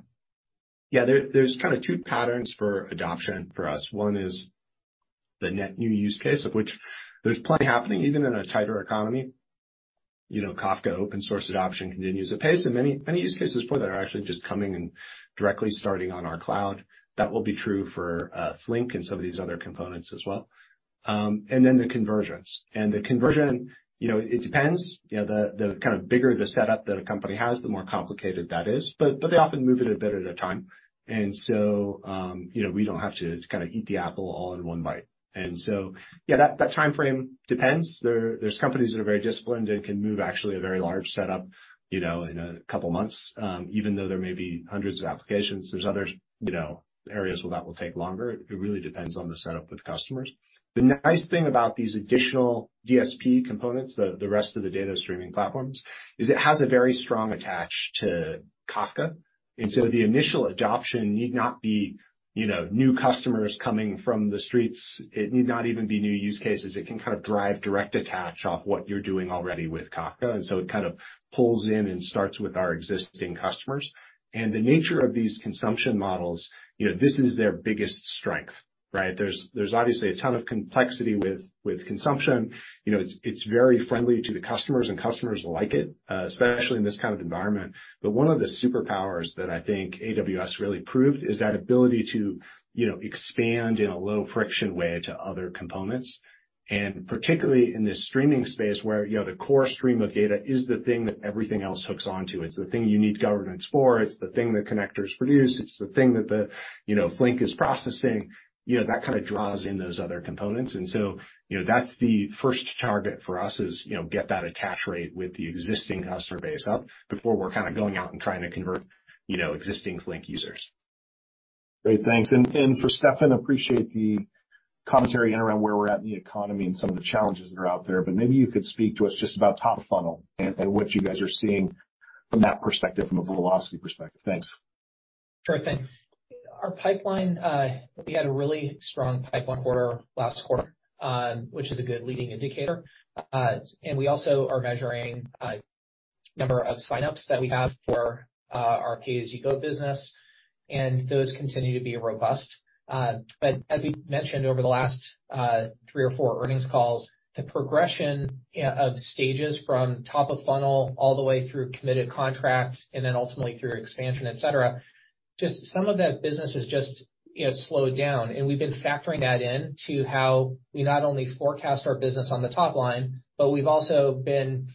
Speaker 2: there, there's kind of two patterns for adoption for us. One is the net new use case, of which there's plenty happening, even in a tighter economy. You know, Kafka open-source adoption continues apace, and many, many use cases for that are actually just coming and directly starting on our cloud. That will be true for Flink and some of these other components as well. Then the conversions. The conversion, you know, it depends. You know, the, the kind of bigger the setup that a company has, the more complicated that is, but, but they often move it a bit at a time. So, you know, we don't have to kind of eat the apple all in one bite. So, yeah, that, that timeframe depends. There, there's companies that are very disciplined and can move actually a very large setup, you know, in a couple months, even though there may be hundreds of applications. There's others, you know, areas where that will take longer. It really depends on the setup with customers. The nice thing about these additional DSP components, the, the rest of the data streaming platforms, is it has a very strong attach to Kafka, and so the initial adoption need not be, you know, new customers coming from the streams. It need not even be new use cases. It can kind of drive direct attach off what you're doing already with Kafka, and so it kind of pulls in and starts with our existing customers. The nature of these consumption models, you know, this is their biggest strength, right? There's, there's obviously a ton of complexity with, with consumption. You know, it's, it's very friendly to the customers, and customers like it, especially in this kind of environment. One of the superpowers that I think AWS really proved is that ability to, you know, expand in a low-friction way to other components, and particularly in this streaming space, where, you know, the core stream of data is the thing that everything else hooks onto. It's the thing you need governance for, it's the thing that connectors produce, it's the thing that the, you know, Flink is processing. You know, that kind of draws in those other components. You know, that's the first target for us is, you know, get that attach rate with the existing customer base up before we're kind of going out and trying to convert, you know, existing Flink users.
Speaker 10: Great, thanks. For Steffan, appreciate the commentary around where we're at in the economy and some of the challenges that are out there, but maybe you could speak to us just about top-of-funnel and what you guys are seeing from that perspective, from a velocity perspective. Thanks.
Speaker 3: Sure thing. Our pipeline, we had a really strong pipeline quarter last quarter, which is a good leading indicator. We also are measuring number of signups that we have for our pay-as-you-go business, and those continue to be robust. As we've mentioned over the last three or four earnings calls, the progression of stages from top-of-funnel all the way through committed contracts and then ultimately through expansion, et cetera, just some of that business has just, you know, slowed down, and we've been factoring that in to how we not only forecast our business on the top line, but we've also been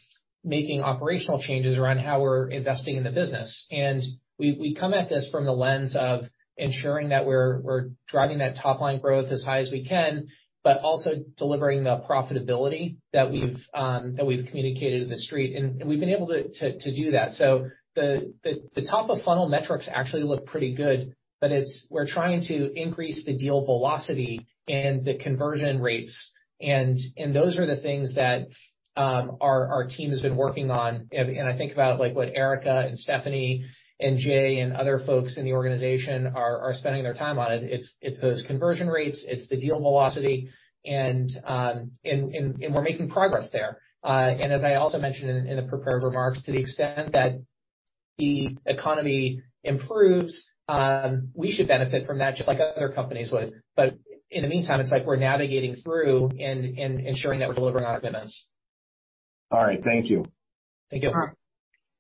Speaker 3: making operational changes around how we're investing in the business. We come at this from the lens of ensuring that we're driving that top-line growth as high as we can, but also delivering the profitability that we've communicated to the street, and we've been able to do that. The top-of-funnel metrics actually look pretty good, but it's. We're trying to increase the deal velocity and the conversion rates, and those are the things that our team has been working on. I think about, like, what Erica and Stephanie and Jay and other folks in the organization are spending their time on. It's those conversion rates, it's the deal velocity, and we're making progress there. As I also mentioned in, in the prepared remarks, to the extent that the economy improves, we should benefit from that, just like other companies would. In the meantime, it's like we're navigating through and, and ensuring that we're delivering on our commitments.
Speaker 10: All right. Thank you.
Speaker 3: Thank you.
Speaker 2: All right.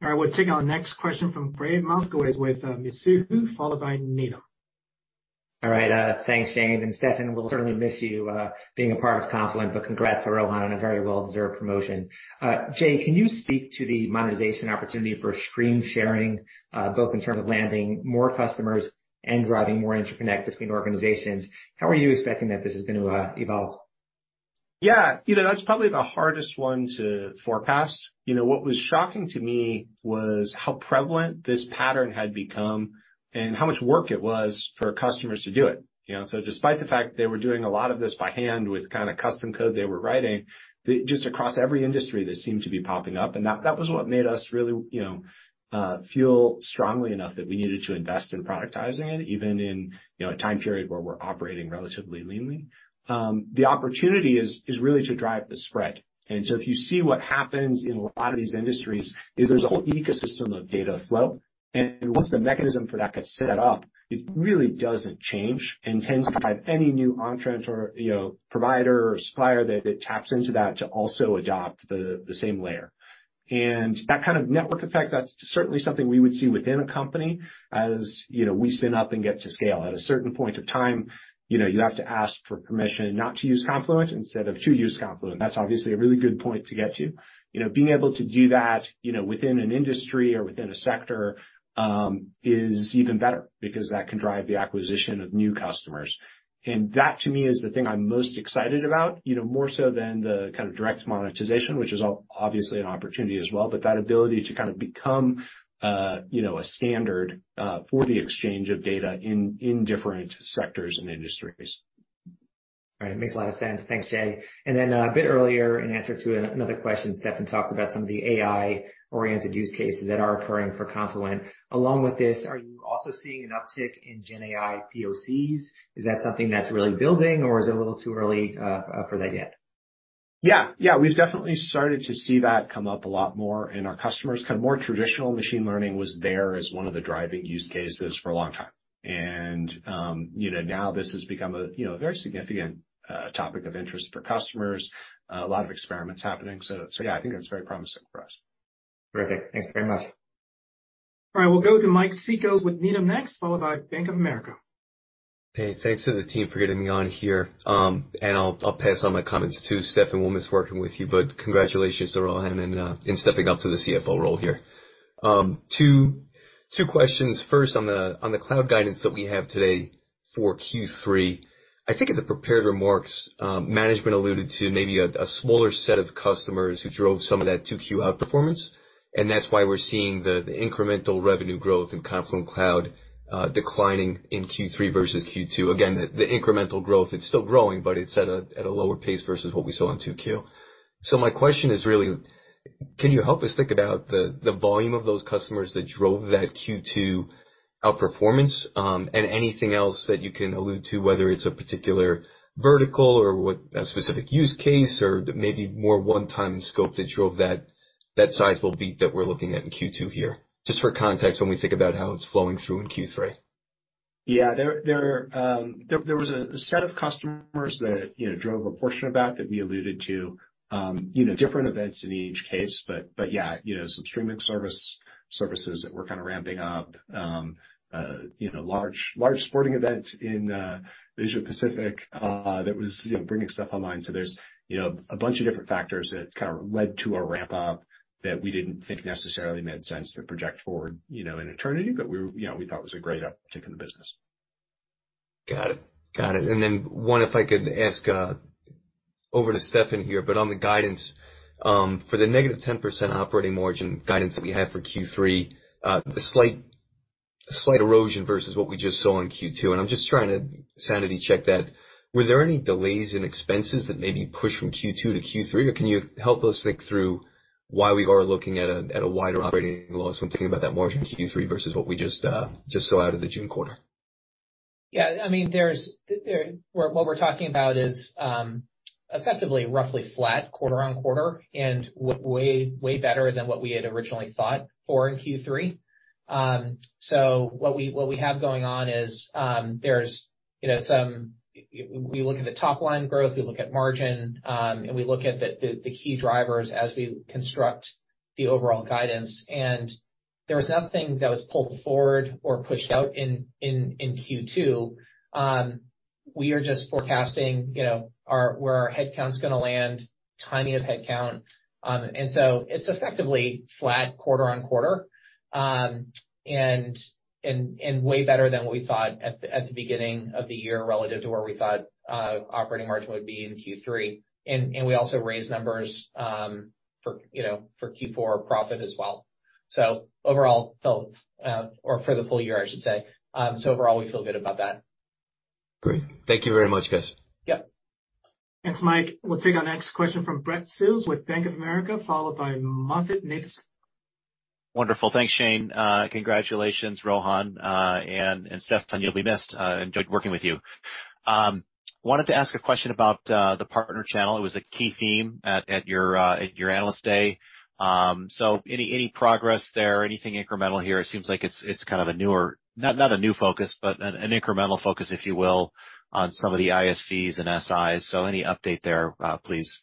Speaker 1: All right, we'll take our next question from Gregg Moskowitz with, Mizuho, followed by Needham.
Speaker 11: All right, thanks, Shane. Steffan, we'll certainly miss you being a part of Confluent, but congrats to Rohan on a very well-deserved promotion. Jay, can you speak to the monetization opportunity for Stream Sharing, both in terms of landing more customers and driving more interconnect between organizations? How are you expecting that this is going to evolve?
Speaker 2: Yeah, you know, that's probably the hardest one to forecast. You know, what was shocking to me was how prevalent this pattern had become and how much work it was for customers to do it, you know? Despite the fact they were doing a lot of this by hand with kind of custom code they were writing, just across every industry, this seemed to be popping up, and that, that was what made us really, you know, feel strongly enough that we needed to invest in productizing it, even in, you know, a time period where we're operating relatively leanly. The opportunity is, is really to drive the spread. If you see what happens in a lot of these industries, is there's a whole ecosystem of data flow, and once the mechanism for that gets set up, it really doesn't change and tends to drive any new entrant or, you know, provider or supplier that taps into that to also adopt the, the same layer. That kind of network effect, that's certainly something we would see within a company. As, you know, we spin up and get to scale. At a certain point of time, you know, you have to ask for permission not to use Confluent instead of to use Confluent. That's obviously a really good point to get to. You know, being able to do that, you know, within an industry or within a sector, is even better because that can drive the acquisition of new customers, and that, to me, is the thing I'm most excited about, you know, more so than the kind of direct monetization, which is obviously an opportunity as well. That ability to kind of become, you know, a standard for the exchange of data in, in different sectors and industries.
Speaker 11: All right. Makes a lot of sense. Thanks, Jay. Then, a bit earlier, in answer to another question, Steffan talked about some of the AI-oriented use cases that are occurring for Confluent. Along with this, are you also seeing an uptick in GenAI POCs? Is that something that's really building, or is it a little too early for that yet?
Speaker 2: Yeah. Yeah, we've definitely started to see that come up a lot more in our customers. Kind of more traditional machine learning was there as one of the driving use cases for a long time. You know, now this has become a, you know, very significant topic of interest for customers. A lot of experiments happening. So yeah, I think it's very promising for us.
Speaker 11: Terrific. Thanks very much.
Speaker 1: All right, we'll go to Mike Cikos with Needham next, followed by Bank of America.
Speaker 12: Hey, thanks to the team for getting me on here, and I'll, I'll pass on my comments to Steffan. We'll miss working with you, but congratulations to Rohan in stepping up to the CFO role here. Two, two questions. First, on the, on the cloud guidance that we have today for Q3. I think in the prepared remarks, management alluded to maybe a, a smaller set of customers who drove some of that 2Q outperformance, and that's why we're seeing the, the incremental revenue growth in Confluent Cloud declining in Q3 versus Q2. Again, the, the incremental growth, it's still growing, but it's at a, at a lower pace versus what we saw in 2Q. My question is really: Can you help us think about the volume of those customers that drove that Q2 outperformance, and anything else that you can allude to, whether it's a particular vertical or what a specific use case or maybe more one-time scope that drove that, that sizable beat that we're looking at in Q2 here? Just for context, when we think about how it's flowing through in Q3.
Speaker 2: Yeah. There was a set of customers that, you know, drove a portion of that, that we alluded to. You know, different events in each case, but, but yeah, you know, some streaming service, services that were kind of ramping up. You know, large, large sporting event in Asia-Pacific that was, you know, bringing stuff online. There's, you know, a bunch of different factors that kind of led to a ramp up that we didn't think necessarily made sense to project forward, you know, in eternity, but we were, you know, we thought it was a great uptick in the business.
Speaker 12: Got it. Got it. Then one, if I could ask over to Steffan Tomlinson here, but on the guidance, for the -10% operating margin guidance that we have for Q3, a slight, slight erosion versus what we just saw in Q2, and I'm just trying to sanity check that. Were there any delays in expenses that may be pushed from Q2 to Q3, or can you help us think through why we are looking at a wider operating loss when thinking about that margin in Q3 versus what we just saw out of the June quarter?
Speaker 3: Yeah, I mean, what we're talking about is effectively roughly flat quarter-over-quarter, and way, way better than what we had originally thought for in Q3. What we, what we have going on is, you know, we look at the top line growth, we look at margin, and we look at the key drivers as we construct the overall guidance, and there was nothing that was pulled forward or pushed out in Q2. We are just forecasting, you know, our, where our headcount's gonna land, timing of headcount. It's effectively flat quarter-over-quarter, and way better than what we thought at the beginning of the year relative to where we thought operating margin would be in Q3. We also raised numbers, for, you know, for Q4 profit as well. Overall, feel, or for the full year, I should say. Overall, we feel good about that.
Speaker 12: Great. Thank you very much, guys.
Speaker 1: Yep. Thanks, Mike. We'll take our next question from Brad Sills with Bank of America, followed by MoffettNathanson.
Speaker 13: Wonderful. Thanks, Shane. Congratulations, Rohan, and Steffan, you'll be missed. Enjoyed working with you. Wanted to ask a question about the partner channel. It was a key theme at your Analyst Day. Any progress there? Anything incremental here? It seems like it's kind of a newer, not a new focus, but an incremental focus, if you will, on some of the ISVs and SIs. Any update there, please?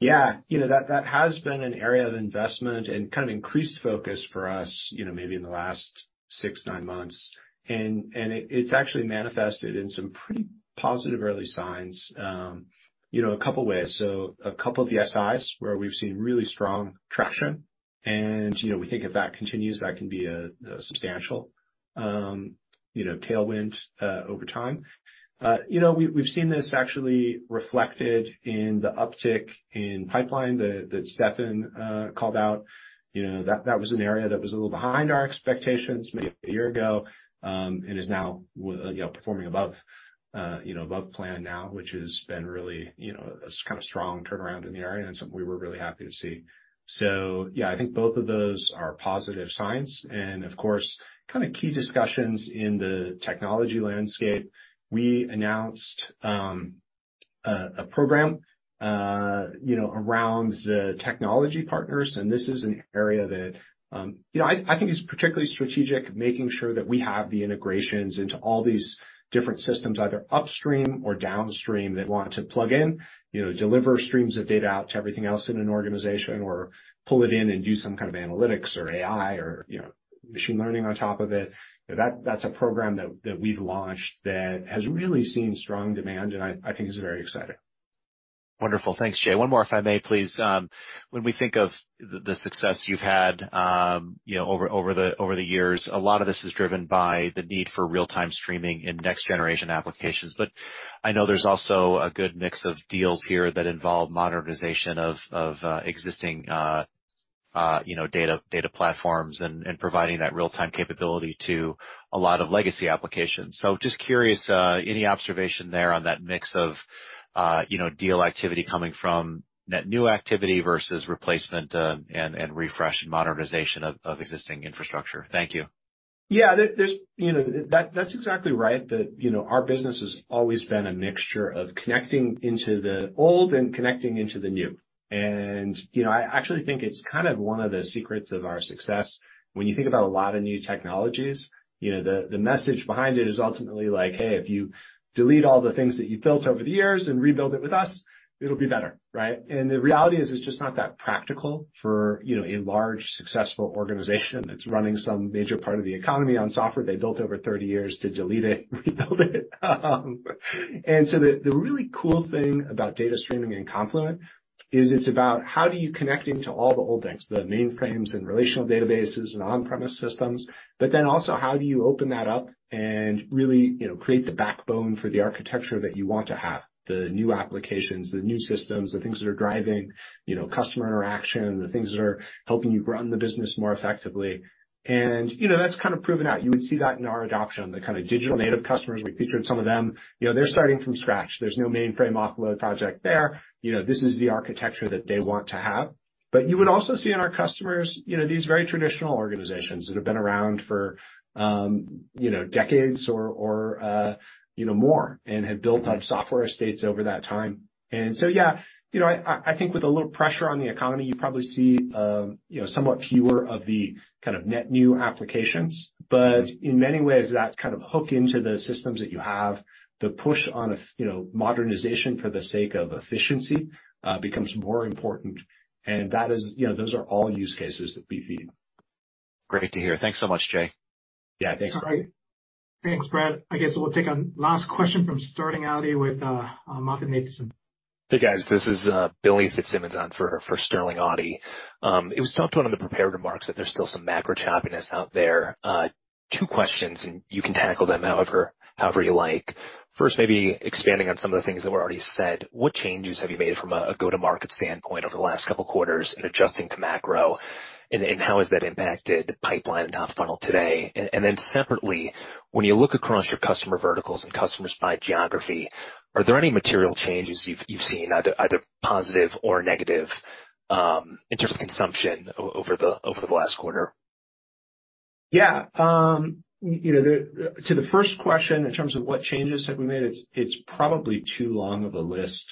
Speaker 2: Yeah, you know, that, that has been an area of investment and kind of increased focus for us, you know, maybe in the last six, nine months. It's actually manifested in some pretty positive early signs, you know, a couple ways. A couple of the SIs where we've seen really strong traction, and, you know, we think if that continues, that can be a, a substantial, you know, tailwind over time. You know, we've, we've seen this actually reflected in the uptick in pipeline that, that Steffan called out. You know, that, that was an area that was a little behind our expectations maybe a year ago, and is now you know, performing above, you know, above plan now, which has been really, you know, a kind of strong turnaround in the area and something we were really happy to see. Yeah, I think both of those are positive signs and, of course, kind of key discussions in the technology landscape. We announced, a program, you know, around the technology partners, and this is an area that, you know, I, I think is particularly strategic, making sure that we have the integrations into all these different systems, either upstream or downstream, that want to plug in. You know, deliver streams of data out to everything else in an organization, or pull it in and do some kind of analytics or AI or, you know, machine learning on top of it. That, that's a program that, that we've launched that has really seen strong demand, and I, I think is very exciting.
Speaker 13: Wonderful. Thanks, Jay. One more, if I may please. When we think of the, the success you've had, you know, over, over the, over the years, a lot of this is driven by the need for real-time streaming in next-generation applications. I know there's also a good mix of deals here that involve modernization of, of existing, you know, data, data platforms and, and providing that real-time capability to a lot of legacy applications. Just curious, any observation there on that mix of, you know, deal activity coming from that new activity versus replacement, and, and refresh and modernization of, of existing infrastructure? Thank you....
Speaker 2: Yeah, there, there's, you know, that's exactly right, that, you know, our business has always been a mixture of connecting into the old and connecting into the new. You know, I actually think it's kind of one of the secrets of our success. When you think about a lot of new technologies, you know, the message behind it is ultimately like, "Hey, if you delete all the things that you've built over the years and rebuild it with us, it'll be better," right? The reality is, it's just not that practical for, you know, a large, successful organization that's running some major part of the economy on software they built over 30 years to delete it, rebuild it. The, the really cool thing about data streaming and Confluent is it's about how do you connect into all the old things, the mainframes and relational databases and on-premises systems, but then also how do you open that up and really, you know, create the backbone for the architecture that you want to have, the new applications, the new systems, the things that are driving, you know, customer interaction, the things that are helping you run the business more effectively. You know, that's kind of proven out. You would see that in our adoption, the kind of digital-native customers, we featured some of them. You know, they're starting from scratch. There's no mainframe offload project there. You know, this is the architecture that they want to have. You would also see in our customers, you know, these very traditional organizations that have been around for, you know, decades or, or, you know, more, and have built up software estates over that time. Yeah, you know, I, I think with a little pressure on the economy, you probably see, you know, somewhat fewer of the kind of net new applications, but in many ways, that kind of hook into the systems that you have, the push on a you know, modernization for the sake of efficiency, becomes more important, and that is. You know, those are all use cases that we see.
Speaker 13: Great to hear. Thanks so much, Jay.
Speaker 2: Yeah, thanks, Brad.
Speaker 1: All right. Thanks, Brad. I guess we'll take a last question from Sterling Auty with MoffettNathanson.
Speaker 14: Hey, guys, this is Billy Fitzsimmons on for, for Sterling Auty. It was talked about in the prepared remarks that there's still some macro choppiness out there. Two questions, and you can tackle them however, however you like. First, maybe expanding on some of the things that were already said, what changes have you made from a, a go-to-market standpoint over the last couple quarters in adjusting to macro, and, and how has that impacted pipeline and top-of-funnel today? Then separately, when you look across your customer verticals and customers by geography, are there any material changes you've, you've seen, either, either positive or negative, in terms of consumption o-over the, over the last quarter?
Speaker 2: Yeah, you know, to the first question, in terms of what changes have we made, it's, it's probably too long of a list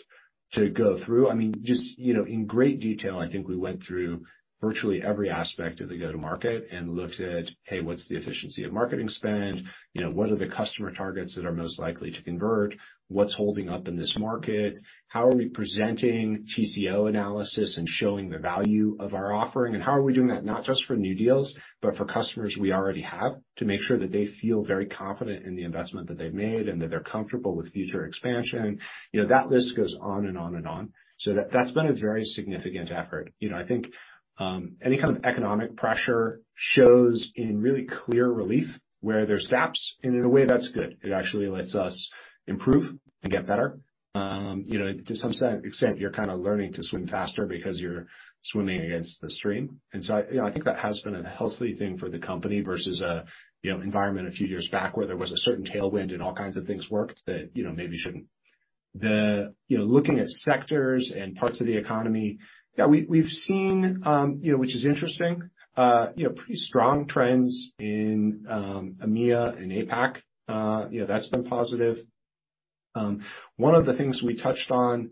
Speaker 2: to go through. I mean, just, you know, in great detail, I think we went through virtually every aspect of the go-to-market and looked at, Hey, what's the efficiency of marketing spend? You know, what are the customer targets that are most likely to convert? What's holding up in this market? How are we presenting TCO analysis and showing the value of our offering, and how are we doing that, not just for new deals, but for customers we already have, to make sure that they feel very confident in the investment that they've made, and that they're comfortable with future expansion? You know, that list goes on and on and on. That-that's been a very significant effort. You know, I think, any kind of economic pressure shows in really clear relief where there's gaps, and in a way, that's good. It actually lets us improve and get better. You know, to some extent, you're kind of learning to swim faster because you're swimming against the stream. I, you know, I think that has been a healthy thing for the company versus a, you know, environment a few years back, where there was a certain tailwind, and all kinds of things worked that, you know, maybe shouldn't. You know, looking at sectors and parts of the economy, yeah, we, we've seen, you know, which is interesting, you know, pretty strong trends in EMEA and APAC. You know, that's been positive. One of the things we touched on,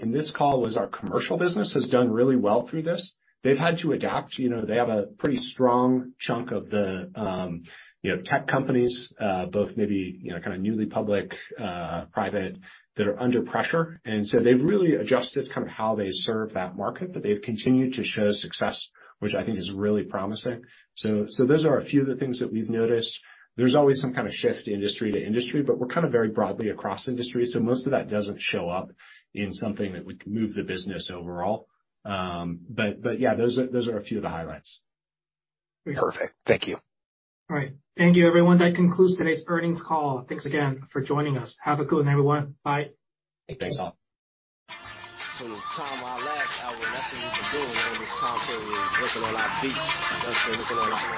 Speaker 2: in this call was our commercial business has done really well through this. They've had to adapt. You know, they have a pretty strong chunk of the, you know, tech companies, both maybe, you know, kind of newly public, private, that are under pressure, and so they've really adjusted kind of how they serve that market, but they've continued to show success, which I think is really promising. Those are a few of the things that we've noticed. There's always some kind of shift industry to industry, but we're kind of very broadly across industries, so most of that doesn't show up in something that would move the business overall. Yeah, those are a few of the highlights.
Speaker 14: Perfect. Thank you.
Speaker 1: All right. Thank you, everyone. That concludes today's earnings call. Thanks again for joining us. Have a good one, everyone. Bye. Thanks all. From the time our last album, that's what we've been doing, man, this time working on our beats, working on our.